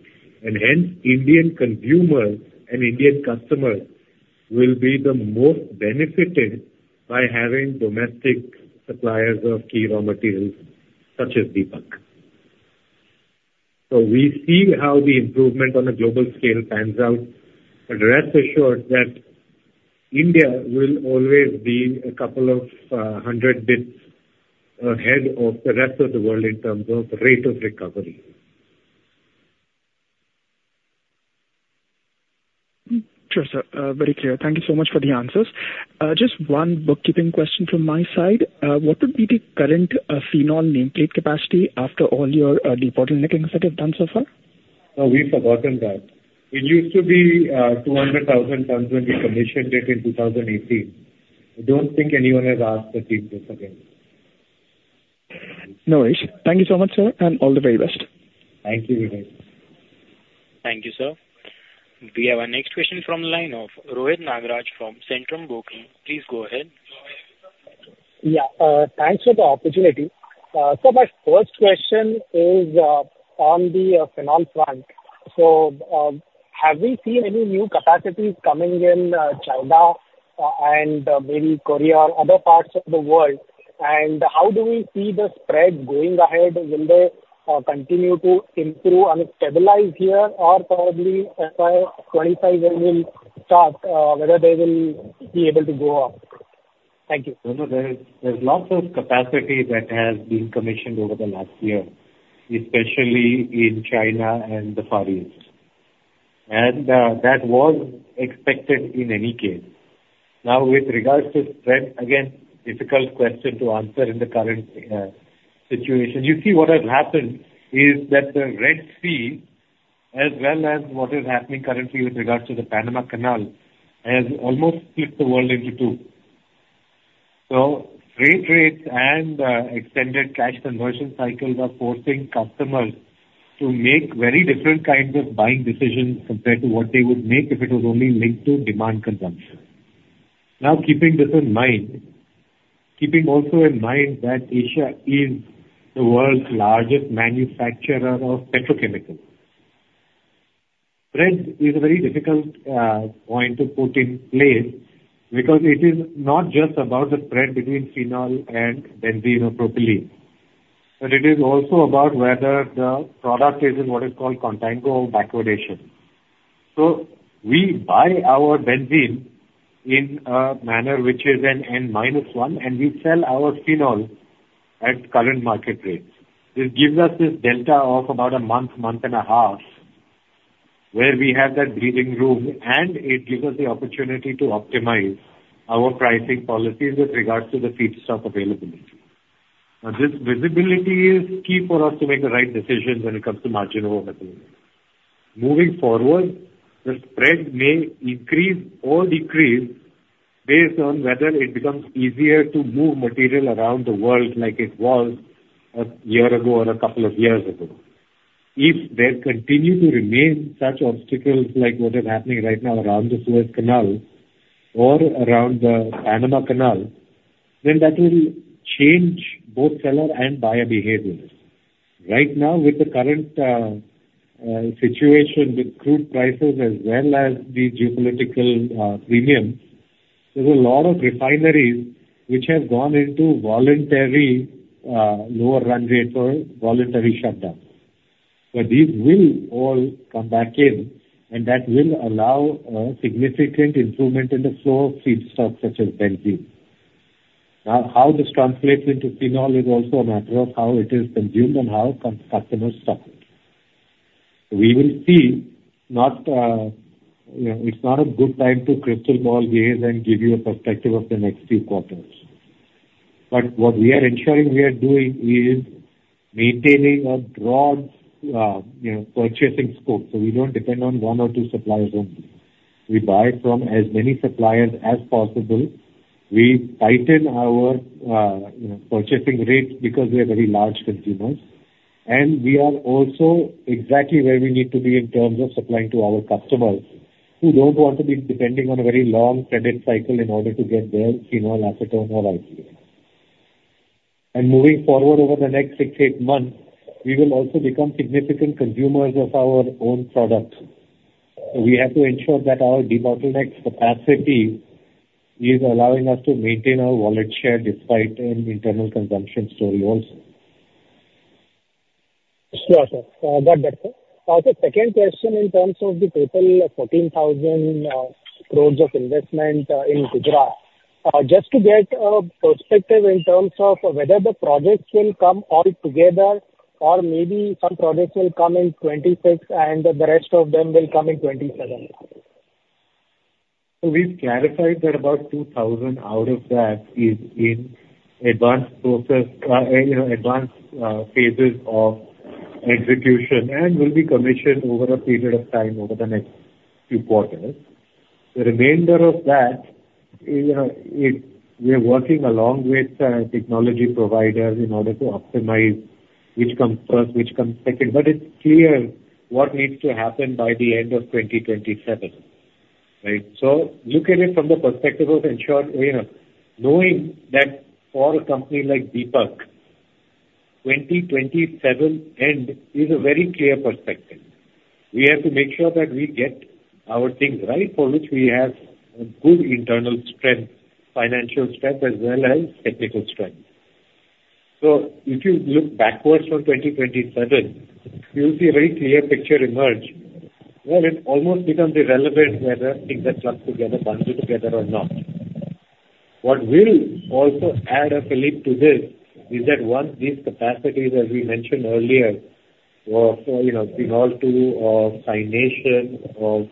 And hence, Indian consumers and Indian customers will be the most benefited by having domestic suppliers of key raw materials such as Deepak. We see how the improvement on a global scale pans out. But rest assured that India will always be a couple of hundred bits ahead of the rest of the world in terms of rate of recovery. Sure. Very clear. Thank you so much for the answers. Just one bookkeeping question from my side. What would be the current Phenol nameplate capacity after all your de-bottlenecking that you've done so far? No, we've forgotten that. It used to be 200,000 tons when we commissioned it in 2018. I don't think anyone has asked the team this again. No worries. Thank you so much, sir, and all the very best. Thank you, Vivek. Thank you, sir. We have our next question from the line of Rohit Nagaraj from Centrum Broking. Please go ahead. Yeah. Thanks for the opportunity. So my first question is on the phenol front. So have we seen any new capacities coming in China and maybe Korea or other parts of the world? And how do we see the spread going ahead? Will they continue to improve and stabilize here, or probably FY25, when we start, whether they will be able to go up? Thank you. No, no. There's lots of capacity that has been commissioned over the last year, especially in China and the Far East. That was expected in any case. Now, with regards to spread, again, difficult question to answer in the current situation. You see, what has happened is that the Red Sea, as well as what is happening currently with regards to the Panama Canal, has almost split the world into two. Freight rates and extended cash conversion cycles are forcing customers to make very different kinds of buying decisions compared to what they would make if it was only linked to demand consumption. Now, keeping this in mind, keeping also in mind that Asia is the world's largest manufacturer of petrochemicals, spread is a very difficult point to put in place because it is not just about the spread between phenol and benzene or propylene. But it is also about whether the product is in what is called contango or backwardation. So we buy our benzene in a manner which is an N minus one, and we sell our phenol at current market rates. This gives us this delta of about a month, month and a half where we have that breathing room. And it gives us the opportunity to optimize our pricing policies with regards to the feedstock availability. Now, this visibility is key for us to make the right decisions when it comes to marginal overhaul. Moving forward, the spread may increase or decrease based on whether it becomes easier to move material around the world like it was a year ago or a couple of years ago. If there continue to remain such obstacles like what is happening right now around the Suez Canal or around the Panama Canal, then that will change both seller and buyer behaviors. Right now, with the current situation with crude prices as well as the geopolitical premiums, there's a lot of refineries which have gone into voluntary lower run rate for voluntary shutdowns. But these will all come back in, and that will allow a significant improvement in the flow of feedstock such as benzene now. How this translates into phenol is also a matter of how it is consumed and how customers stock it. So we will see. It's not a good time to crystal ball gaze and give you a perspective of the next few quarters. But what we are ensuring we are doing is maintaining a broad purchasing scope. So we don't depend on one or two suppliers only. We buy from as many suppliers as possible. We tighten our purchasing rate because we are very large consumers. And we are also exactly where we need to be in terms of supplying to our customers who don't want to be depending on a very long credit cycle in order to get their Phenol, Acetone, or IPA. And moving forward over the next 6, 8 months, we will also become significant consumers of our own products. So we have to ensure that our de-bottlenecking capacity is allowing us to maintain our wallet share despite an internal consumption story also. Sure, sir. I got that, sir. Also, second question in terms of the total 14,000 crore of investment in Gujarat, just to get a perspective in terms of whether the projects will come all together or maybe some projects will come in 2026, and the rest of them will come in 2027. So we've clarified that about 2,000 out of that is in advanced phases of execution and will be commissioned over a period of time over the next few quarters. The remainder of that, we're working along with technology providers in order to optimize which comes first, which comes second. But it's clear what needs to happen by the end of 2027, right? So look at it from the perspective of ensuring knowing that for a company like Deepak, 2027 end is a very clear perspective. We have to make sure that we get our things right for which we have good internal strength, financial strength, as well as technical strength. So if you look backwards from 2027, you'll see a very clear picture emerge. Well, it almost becomes irrelevant whether things that clump together bundle together or not. What will also add a leap to this is that once these capacities, as we mentioned earlier, of phenol, too, of cyanation, of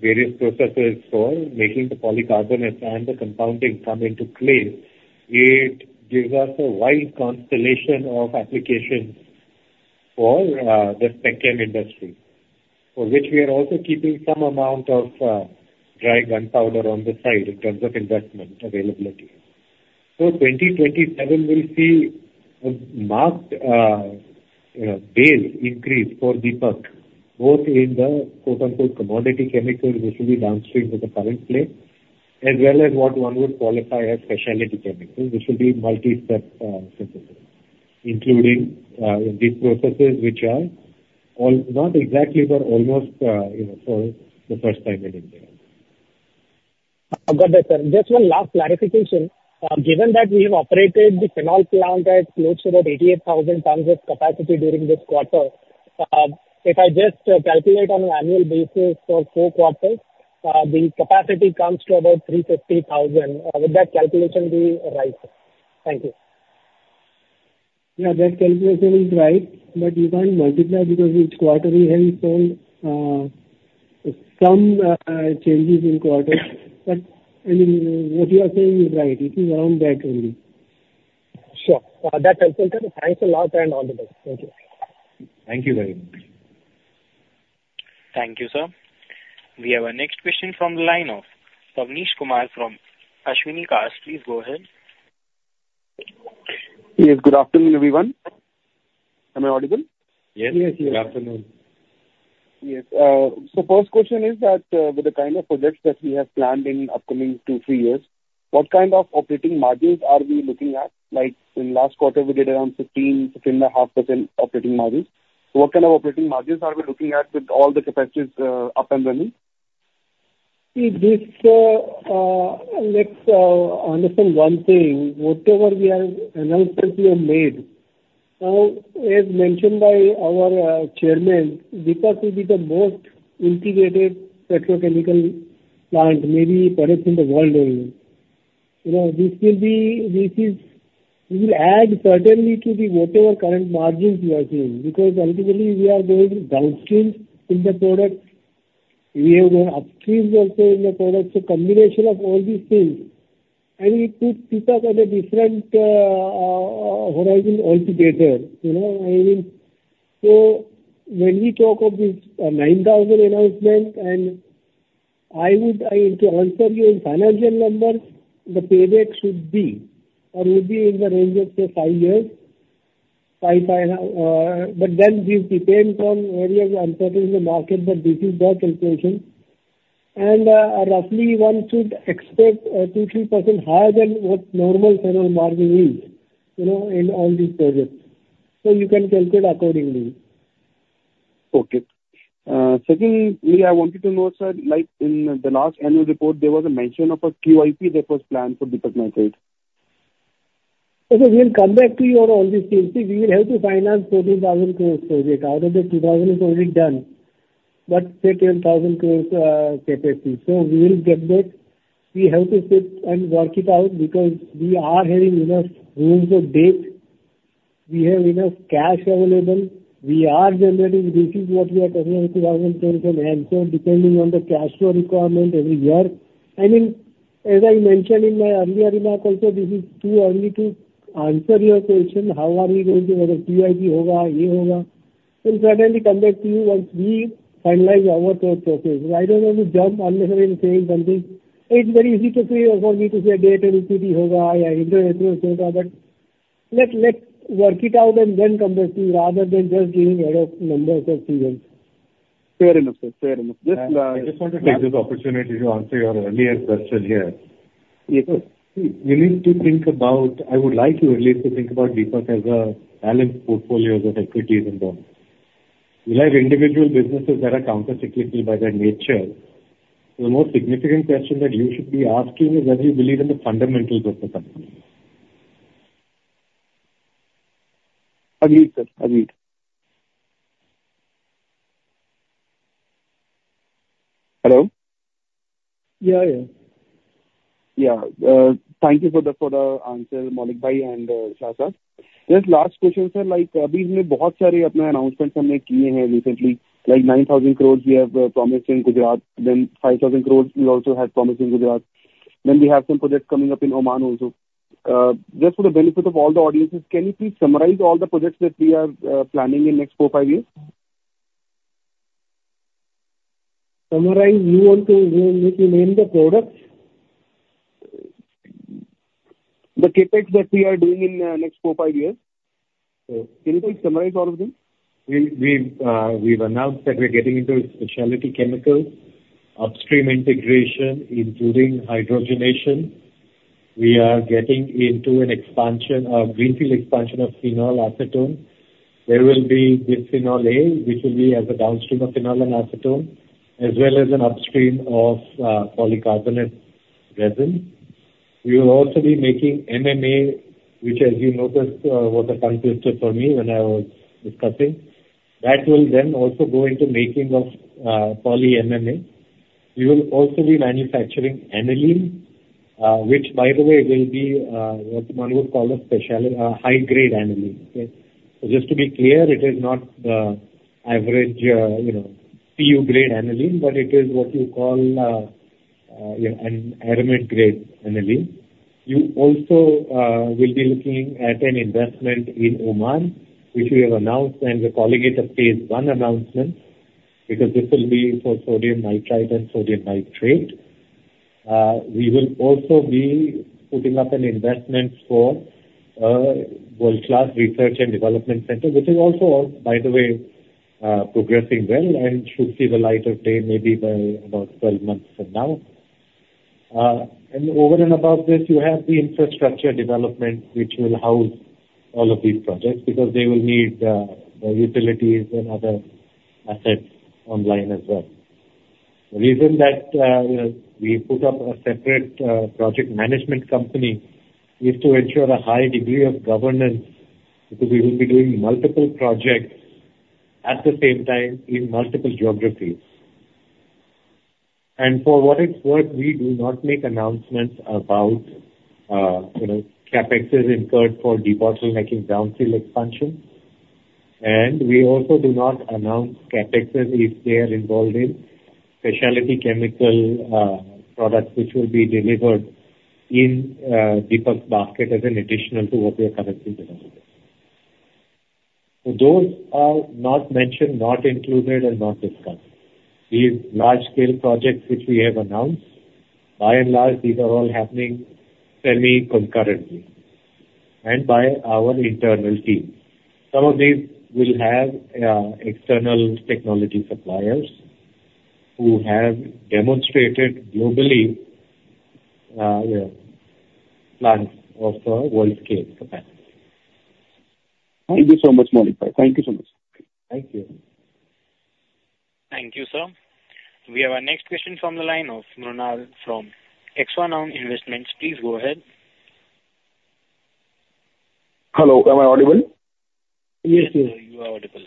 various processes for making the polycarbonate and the compounding come into place, it gives us a wide constellation of applications for the spec chem industry for which we are also keeping some amount of dry powder on the side in terms of investment availability. So 2027 will see a marked base increase for Deepak, both in the "commodity chemicals" which will be downstream with the current play as well as what one would qualify as specialty chemicals which will be multi-step synthesis, including these processes which are not exactly, but almost for the first time in India. I've got that, sir. Just one last clarification. Given that we have operated the phenol plant at close to about 88,000 tons of capacity during this quarter, if I just calculate on an annual basis for four quarters, the capacity comes to about 350,000. Would that calculation be right? Thank you. Yeah, that calculation is right. But you can't multiply because each quarter, we have seen some changes in quarters. But I mean, what you are saying is right. It is around that only. Sure. That helps a lot. Thanks a lot and all the best. Thank you. Thank you very much. Thank you, sir. We have our next question from the line of Pawneesh Kumar from. Please go ahead. Yes. Good afternoon, everyone. Am I audible? Yes. Yes, yes. Good afternoon. Yes. So first question is that with the kind of projects that we have planned in upcoming 2-3 years, what kind of operating margins are we looking at? In last quarter, we did around 15%-15.5% operating margins. What kind of operating margins are we looking at with all the capacities up and running? See, let's understand one thing. Whatever announcements we have made, as mentioned by our chairman, Deepak will be the most integrated petrochemical plant, maybe perhaps in the world only. This will be we will add certainly to whatever current margins we are seeing because ultimately, we are going downstream in the product. We are going upstream also in the product. So combination of all these things, I mean, it puts Deepak on a different horizon also better. I mean, so when we talk of this 9,000 announcement, and I would like to answer you in financial numbers, the payback should be or would be in the range of, say, 5 years, 5, 5 and a half. But then we depend on various uncertainties in the market. But this is the calculation. And roughly, one should expect 2%-3% higher than what normal phenol margin is in all these projects. You can calculate accordingly. Okay. Secondly, I wanted to know, sir, in the last annual report, there was a mention of a QIP that was planned for Deepak Nitrite. Okay. We'll come back to you on all these things. See, we will have to finance INR 14,000 crore project. Out of the INR 2,000 crore is already done, but say, INR 12,000 crore capacity. So we will get that. We have to sit and work it out because we are having enough room for debt. We have enough cash available. We are generating; this is what we are talking about, 2,000 crore on hand. So depending on the cash flow requirement every year. I mean, as I mentioned in my earlier remark also, this is too early to answer your question. How are we going to whether QIP होगा, ये होगा? And certainly, come back to you once we finalize our process. I don't want to jump unless I am saying something. It's very easy for me to say a date and ECB होगा या international, etc. Let's work it out and then come back to you rather than just giving a lot of numbers of figures. Fair enough, sir. Fair enough. Just. I just wanted to take this opportunity to answer your earlier question here. Yes, sir. See, I would like you at least to think about Deepak as a balanced portfolio of equities and bonds. You'll have individual businesses that are countercyclical by their nature. So the most significant question that you should be asking is whether you believe in the fundamentals of the company. Agreed, sir. Agreed. Hello? Yeah, yeah. Yeah. Thank you for the answer, Maulik Bhai and Somsekhar. Just last question, sir. Abhi humne bahut saare apna announcements humne kiye hain recently. 9,000 crore we have promised in Gujarat. Then 5,000 crore we also had promised in Gujarat. Then we have some projects coming up in Oman also. Just for the benefit of all the audiences, can you please summarize all the projects that we are planning in next four, five years? Summarize? You want to make you name the products? The KPIs that we are doing in next 4, 5 years? Can you please summarize all of them? We've announced that we're getting into specialty chemicals, upstream integration including hydrogenation. We are getting into a greenfield expansion of phenol, acetone. There will be this Bisphenol A which will be as a downstream of phenol and acetone as well as an upstream of polycarbonate resin. We will also be making MMA which, as you noticed, was a tongue twister for me when I was discussing. That will then also go into making of PMMA. We will also be manufacturing aniline which, by the way, will be what one would call a high-grade aniline, okay? So just to be clear, it is not the average PU-grade aniline, but it is what you call an aramid-grade aniline. You also will be looking at an investment in Oman which we have announced, and we're calling it a phase one announcement because this will be for sodium nitrite and sodium nitrate. We will also be putting up an investment for a world-class research and development center which is also, by the way, progressing well and should see the light of day maybe by about 12 months from now. And over and above this, you have the infrastructure development which will house all of these projects because they will need the utilities and other assets online as well. The reason that we put up a separate project management company is to ensure a high degree of governance because we will be doing multiple projects at the same time in multiple geographies. And for what it's worth, we do not make announcements about CapExes incurred for de-bottlenecking downstream expansion. And we also do not announce CapExes if they are involved in specialty chemical products which will be delivered in Deepak's basket as an additional to what we are currently developing. Those are not mentioned, not included, and not discussed. These large-scale projects which we have announced, by and large, these are all happening semi-concurrently and by our internal team. Some of these will have external technology suppliers who have demonstrated globally plans of world-scale capacity. Thank you so much, Maulik Bhai. Thank you so much. Thank you. Thank you, sir. We have our next question from the line of Mrunal from Axanoun Investment. Please go ahead. Hello. Am I audible? Yes, sir. You are audible.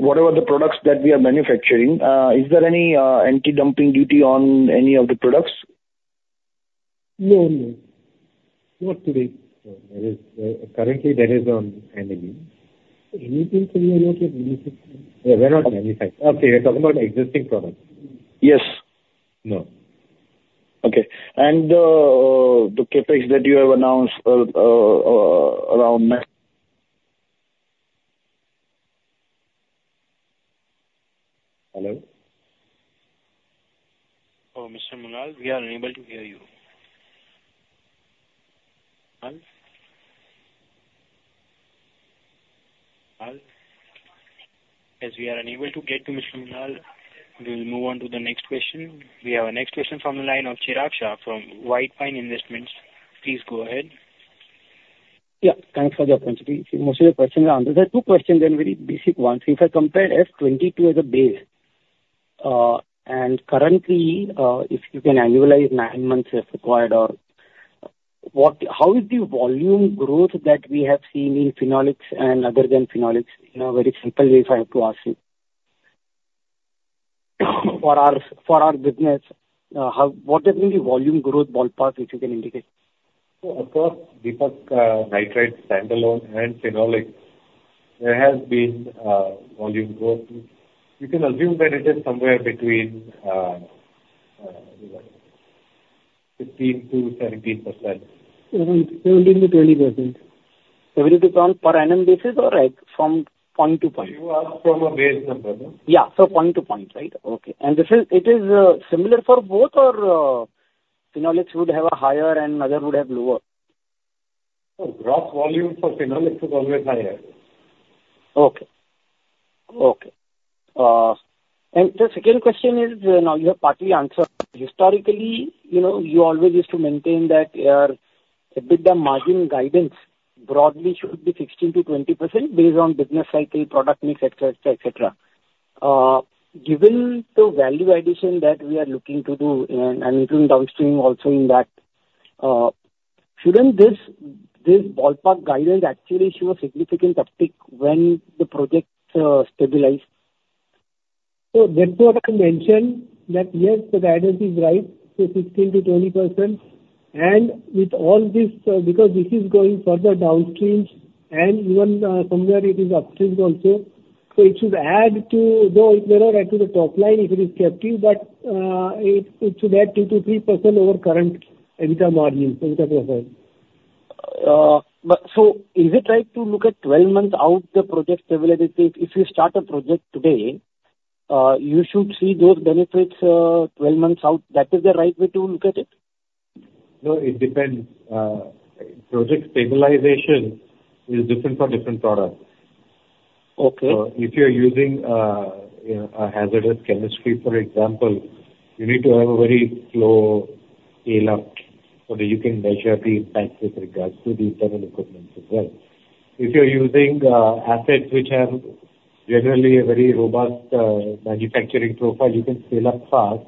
Whatever the products that we are manufacturing, is there any anti-dumping duty on any of the products? No, no. Not today. Currently, that is on aniline. Anything for you or not yet? We are not manufacturing. Okay. You're talking about existing products? Yes. No. Okay. And the KPIs that you have announced around next? Hello? Oh, Mr. Mrunal, we are unable to hear you. Yes, we are unable to get to Mr. Mrunal. We will move on to the next question. We have our next question from the line of Chirag Shah from White Pine Investment Management. Please go ahead. Yeah. Thanks for the opportunity. See, most of the questions are answered. There are two questions then, very basic ones. If I compare F22 as a base and currently, if you can annualize nine months if required, how is the volume growth that we have seen in Phenolics and other than Phenolics? In a very simple way, if I have to ask you. For our business, what has been the volume growth ballpark if you can indicate? Across Deepak Nitrite standalone and Phenolics, there has been volume growth. You can assume that it is somewhere between 15%-17%. 17%-20%. It depends on per annum basis or from point to point? You ask from a base number, no? Yeah. So point to point, right? Okay. And it is similar for both or Phenolics would have a higher and other would have lower? Oh, gross volume for Phenolics is always higher. Okay. Okay. And the second question is now you have partly answered. Historically, you always used to maintain that a bit the margin guidance broadly should be 16%-20% based on business cycle, product mix, etc., etc. Given the value addition that we are looking to do and including downstream also in that, shouldn't this ballpark guidance actually show a significant uptick when the projects stabilize? That product mentioned that, yes, the guidance is right to 16%-20%. With all this because this is going further downstream and even somewhere it is upstream also. It should add to, though it may not add to the top line if it is captive, but it should add 2%-3% over current EBITDA margins, EBITDA profile. Is it right to look at 12 months out the project stability? If you start a project today, you should see those benefits 12 months out. That is the right way to look at it? No, it depends. Project stabilization is different for different products. So if you're using a hazardous chemistry, for example, you need to have a very slow scale-up so that you can measure the impact with regards to the internal equipments as well. If you're using assets which have generally a very robust manufacturing profile, you can scale up fast.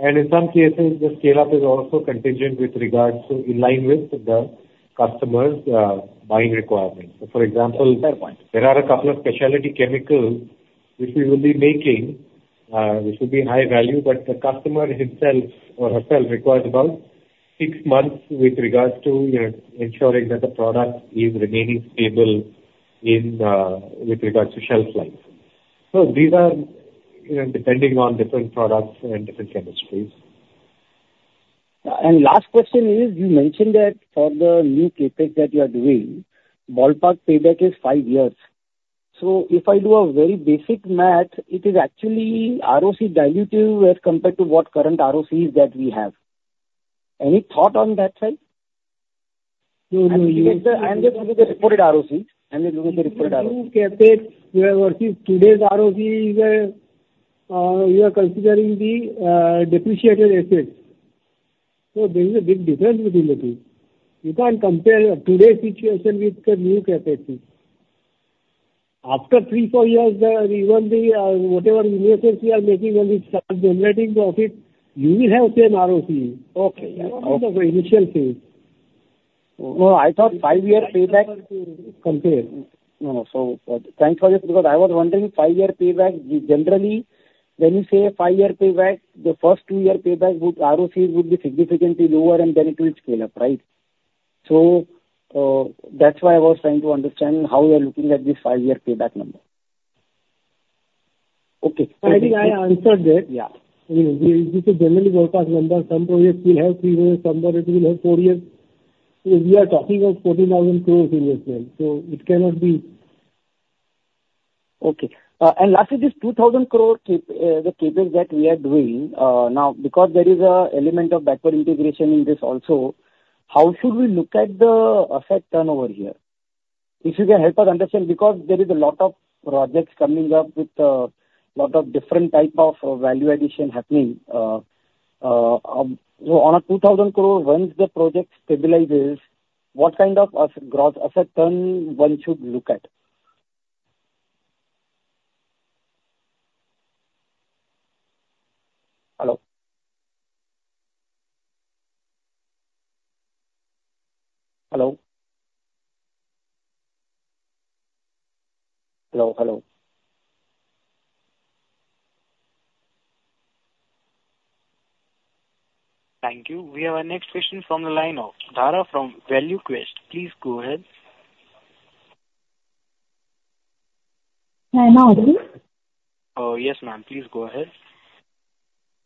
And in some cases, the scale-up is also contingent with regards to in line with the customer's buying requirements. For example. Fair point. There are a couple of specialty chemicals which we will be making which will be high value, but the customer himself or herself requires about six months with regards to ensuring that the product is remaining stable with regards to shelf life. So these are depending on different products and different chemistries. Last question is, you mentioned that for the new KPIs that you are doing, ballpark payback is 5 years. So if I do a very basic math, it is actually ROC diluted as compared to what current ROCs that we have. Any thought on that side? No, no. I mean, I'm just looking at the reported ROCE. I'm just looking at the reported ROCE. New KPIs versus today's ROCE, you are considering the depreciated assets. So there is a big difference between the two. You can't compare today's situation with the new KPIs. After 3, 4 years, even whatever investments we are making when we start generating profit, you will have the same ROCE in the initial phase. No, I thought five-year payback. Compare. No, no. So thanks for this because I was wondering, 5-year payback, generally, when you say 5-year payback, the first 2-year payback ROCEs would be significantly lower and then it will scale up, right? So that's why I was trying to understand how you are looking at this 5-year payback number. Okay. But I think I answered that. I mean, this is generally ballpark number. Some projects will have 3 years. Some projects will have 4 years. We are talking of 14,000 crore investment. So it cannot be. Okay. And lastly, this 2,000 crore CapEx that we are doing now, because there is an element of backward integration in this also, how should we look at the asset turnover here? If you can help us understand because there is a lot of projects coming up with a lot of different type of value addition happening. So on a 2,000 crore, once the project stabilizes, what kind of gross asset turn one should look at? Hello? Hello? Hello? Hello? Thank you. We have our next question from the line of Dhara from ValueQuest. Please go ahead. Hi, Maulik? Yes, ma'am. Please go ahead.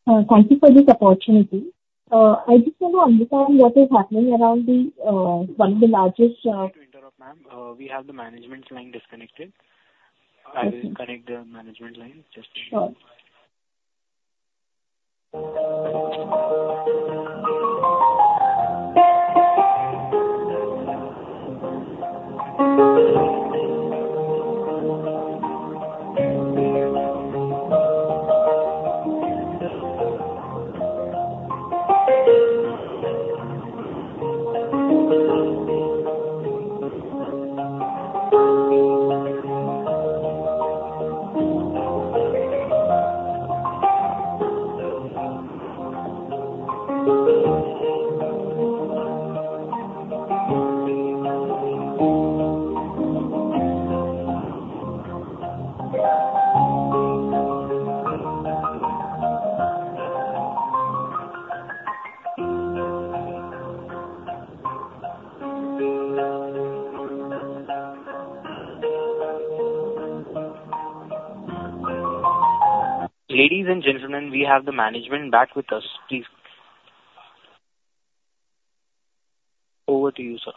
Thank you for this opportunity. I just want to understand what is happening around one of the largest. Sorry to interrupt, ma'am. We have the management line disconnected. I will connect the management line. Just a moment. Sure. Ladies and gentlemen, we have the management back with us. Please. Over to you, sir.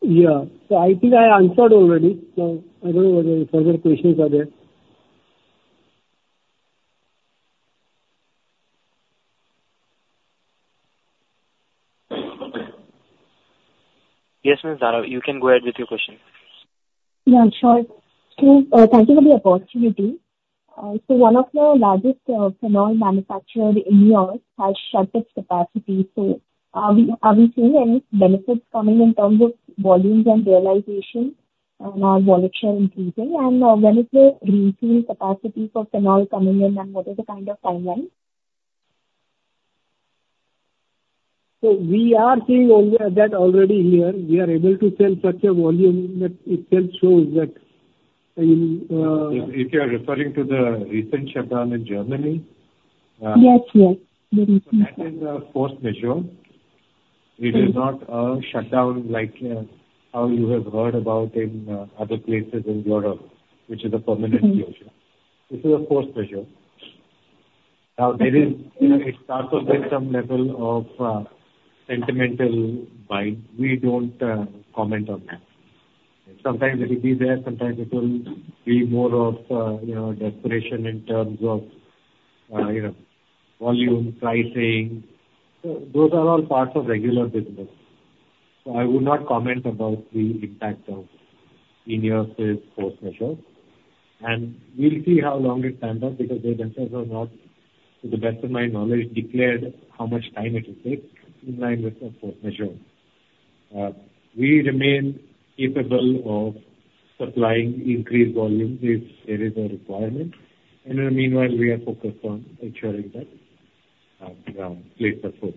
Yeah. So I think I answered already. So I don't know whether further questions are there. Yes, Ms. Dhara. You can go ahead with your question. Yeah. Sure. Thank you for the opportunity. So one of the largest phenol manufacturers in Europe has shut its capacity. So are we seeing any benefits coming in terms of volumes and realization and our volume share increasing? And when is the full capacity for phenol coming in and what is the kind of timeline? So we are seeing that already here. We are able to sell such a volume that itself shows that. If you are referring to the recent shutdown in Germany. Yes, yes. The recent shutdown. So that is a forced measure. It is not a shutdown like how you have heard about in other places in Europe which is a permanent closure. This is a forced measure. Now, it starts off with some level of sentimental buying. We don't comment on that. Sometimes it will be there. Sometimes it will be more of desperation in terms of volume, pricing. So those are all parts of regular business. So I would not comment about the impact of enhanced forced measures. And we'll see how long it stands out because they themselves have not, to the best of my knowledge, declared how much time it will take in line with a forced measure. We remain capable of supplying increased volume if there is a requirement. And in the meanwhile, we are focused on ensuring that plays the role.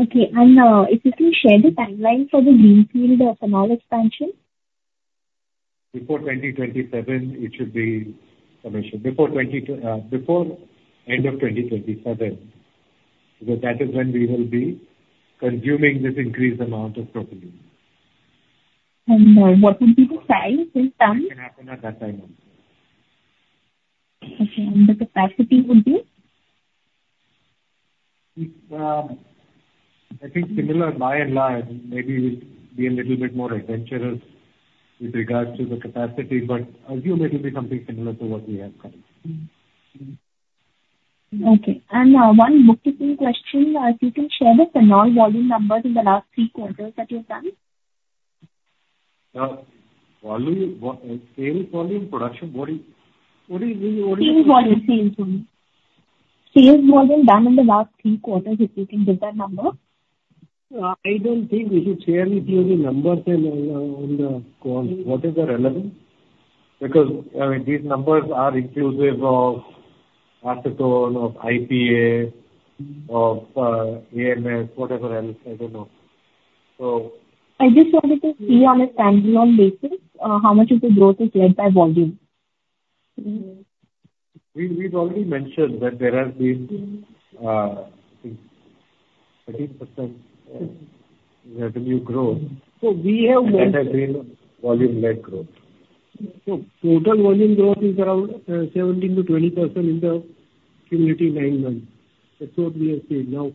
Okay. If you can share the timeline for the greenfield Phenol expansion. Before 2027, it should be commissioned. Before end of 2027 because that is when we will be consuming this increased amount of propylene. What would be the size in terms? It can happen at that time also. Okay. And the capacity would be? I think similar, by and large. Maybe it will be a little bit more adventurous with regards to the capacity, but assume it will be something similar to what we have currently. Okay. One bookkeeping question. If you can share the Phenol volume numbers in the last three quarters that you have done. Scale volume, production? What do you mean? What do you mean? Sales volume. Sales volume done in the last three quarters, if you can give that number. I don't think we should share the numbers on the quants. What is the relevance? Because these numbers are inclusive of Acetone, of IPA, of AMS, whatever else. I don't know. So. I just wanted to see on a standalone basis how much of the growth is led by volume. We've already mentioned that there has been 13% revenue growth. That has been volume-led growth. So total volume growth is around 17%-20% in the commodity line one. That's what we have seen. Now,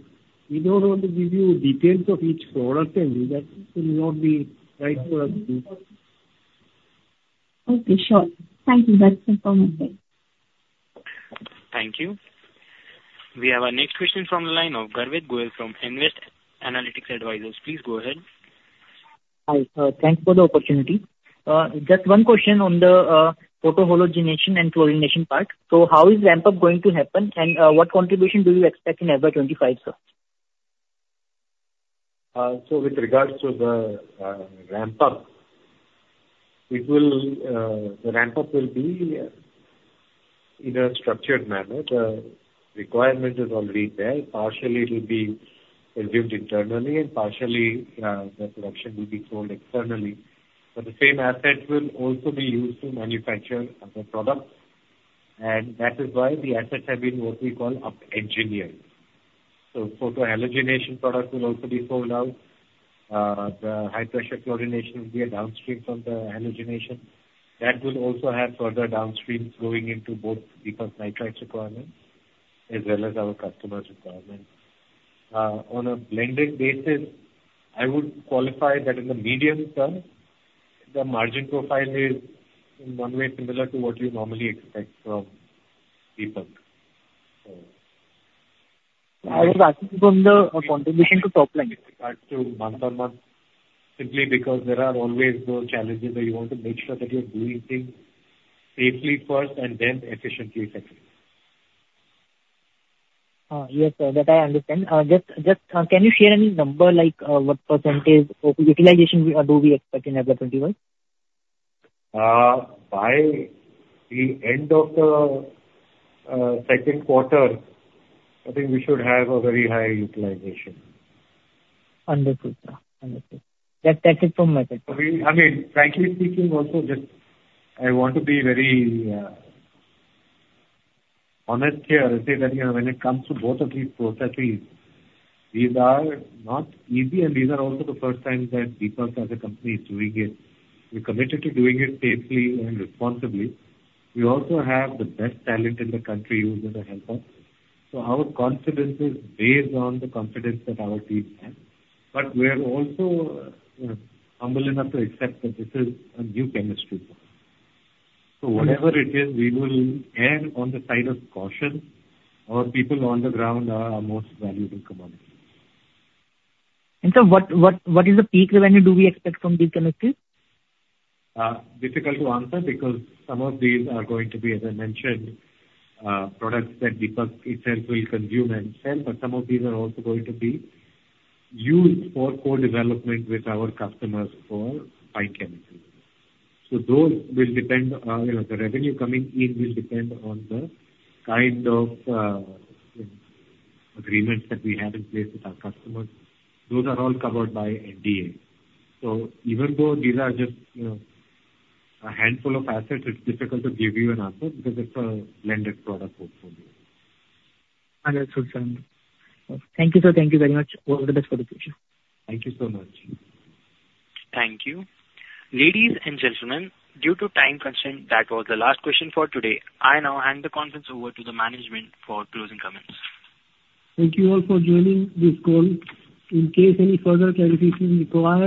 we don't want to give you details of each product and that will not be right for us to. Okay. Sure. Thank you. That's informative. Thank you. We have our next question from the line of Garveet Gohil from Nvest Analytics. Please go ahead. Hi. Thanks for the opportunity. Just one question on the photohalogenation and chlorination part. So how is ramp-up going to happen and what contribution do you expect in FY25, sir? So with regards to the ramp-up, the ramp-up will be in a structured manner. The requirement is already there. Partially, it will be assumed internally and partially, the production will be sold externally. But the same asset will also be used to manufacture other products. And that is why the assets have been what we call up-engineered. So photohalogenation products will also be sold out. The high-pressure chlorination will be a downstream from the halogenation. That will also have further downstreams going into both Deepak Nitrite's requirements as well as our customer's requirements. On a blended basis, I would qualify that in the medium term, the margin profile is in one way similar to what you normally expect from Deepak, so. I was asking from the contribution to top line. As to month-on-month, simply because there are always those challenges where you want to make sure that you're doing things safely first and then efficiently second. Yes, sir. That I understand. Just can you share any number like what percentage utilization do we expect in FY25? By the end of the second quarter, I think we should have a very high utilization. Understood, sir. Understood. That's it from my side. I mean, frankly speaking, also, just I want to be very honest here. I'll say that when it comes to both of these processes, these are not easy and these are also the first time that Deepak, as a company, is doing it. We're committed to doing it safely and responsibly. We also have the best talent in the country who's going to help us. So our confidence is based on the confidence that our teams have. But we're also humble enough to accept that this is a new chemistry for us. So whatever it is, we will err on the side of caution. Our people on the ground are our most valuable commodities. What is the peak revenue do we expect from these chemistries? difficult to answer because some of these are going to be, as I mentioned, products that Deepak itself will consume and sell, but some of these are also going to be used for co-development with our customers for pipe chemistry. So those will depend; the revenue coming in will depend on the kind of agreements that we have in place with our customers. Those are all covered by NDA. So even though these are just a handful of assets, it's difficult to give you an answer because it's a blended product portfolio. Understood, sir. Thank you, sir. Thank you very much. All the best for the future. Thank you so much. Thank you. Ladies and gentlemen, due to time constraint, that was the last question for today. I now hand the conference over to the management for closing comments. Thank you all for joining this call. In case any further clarification requires.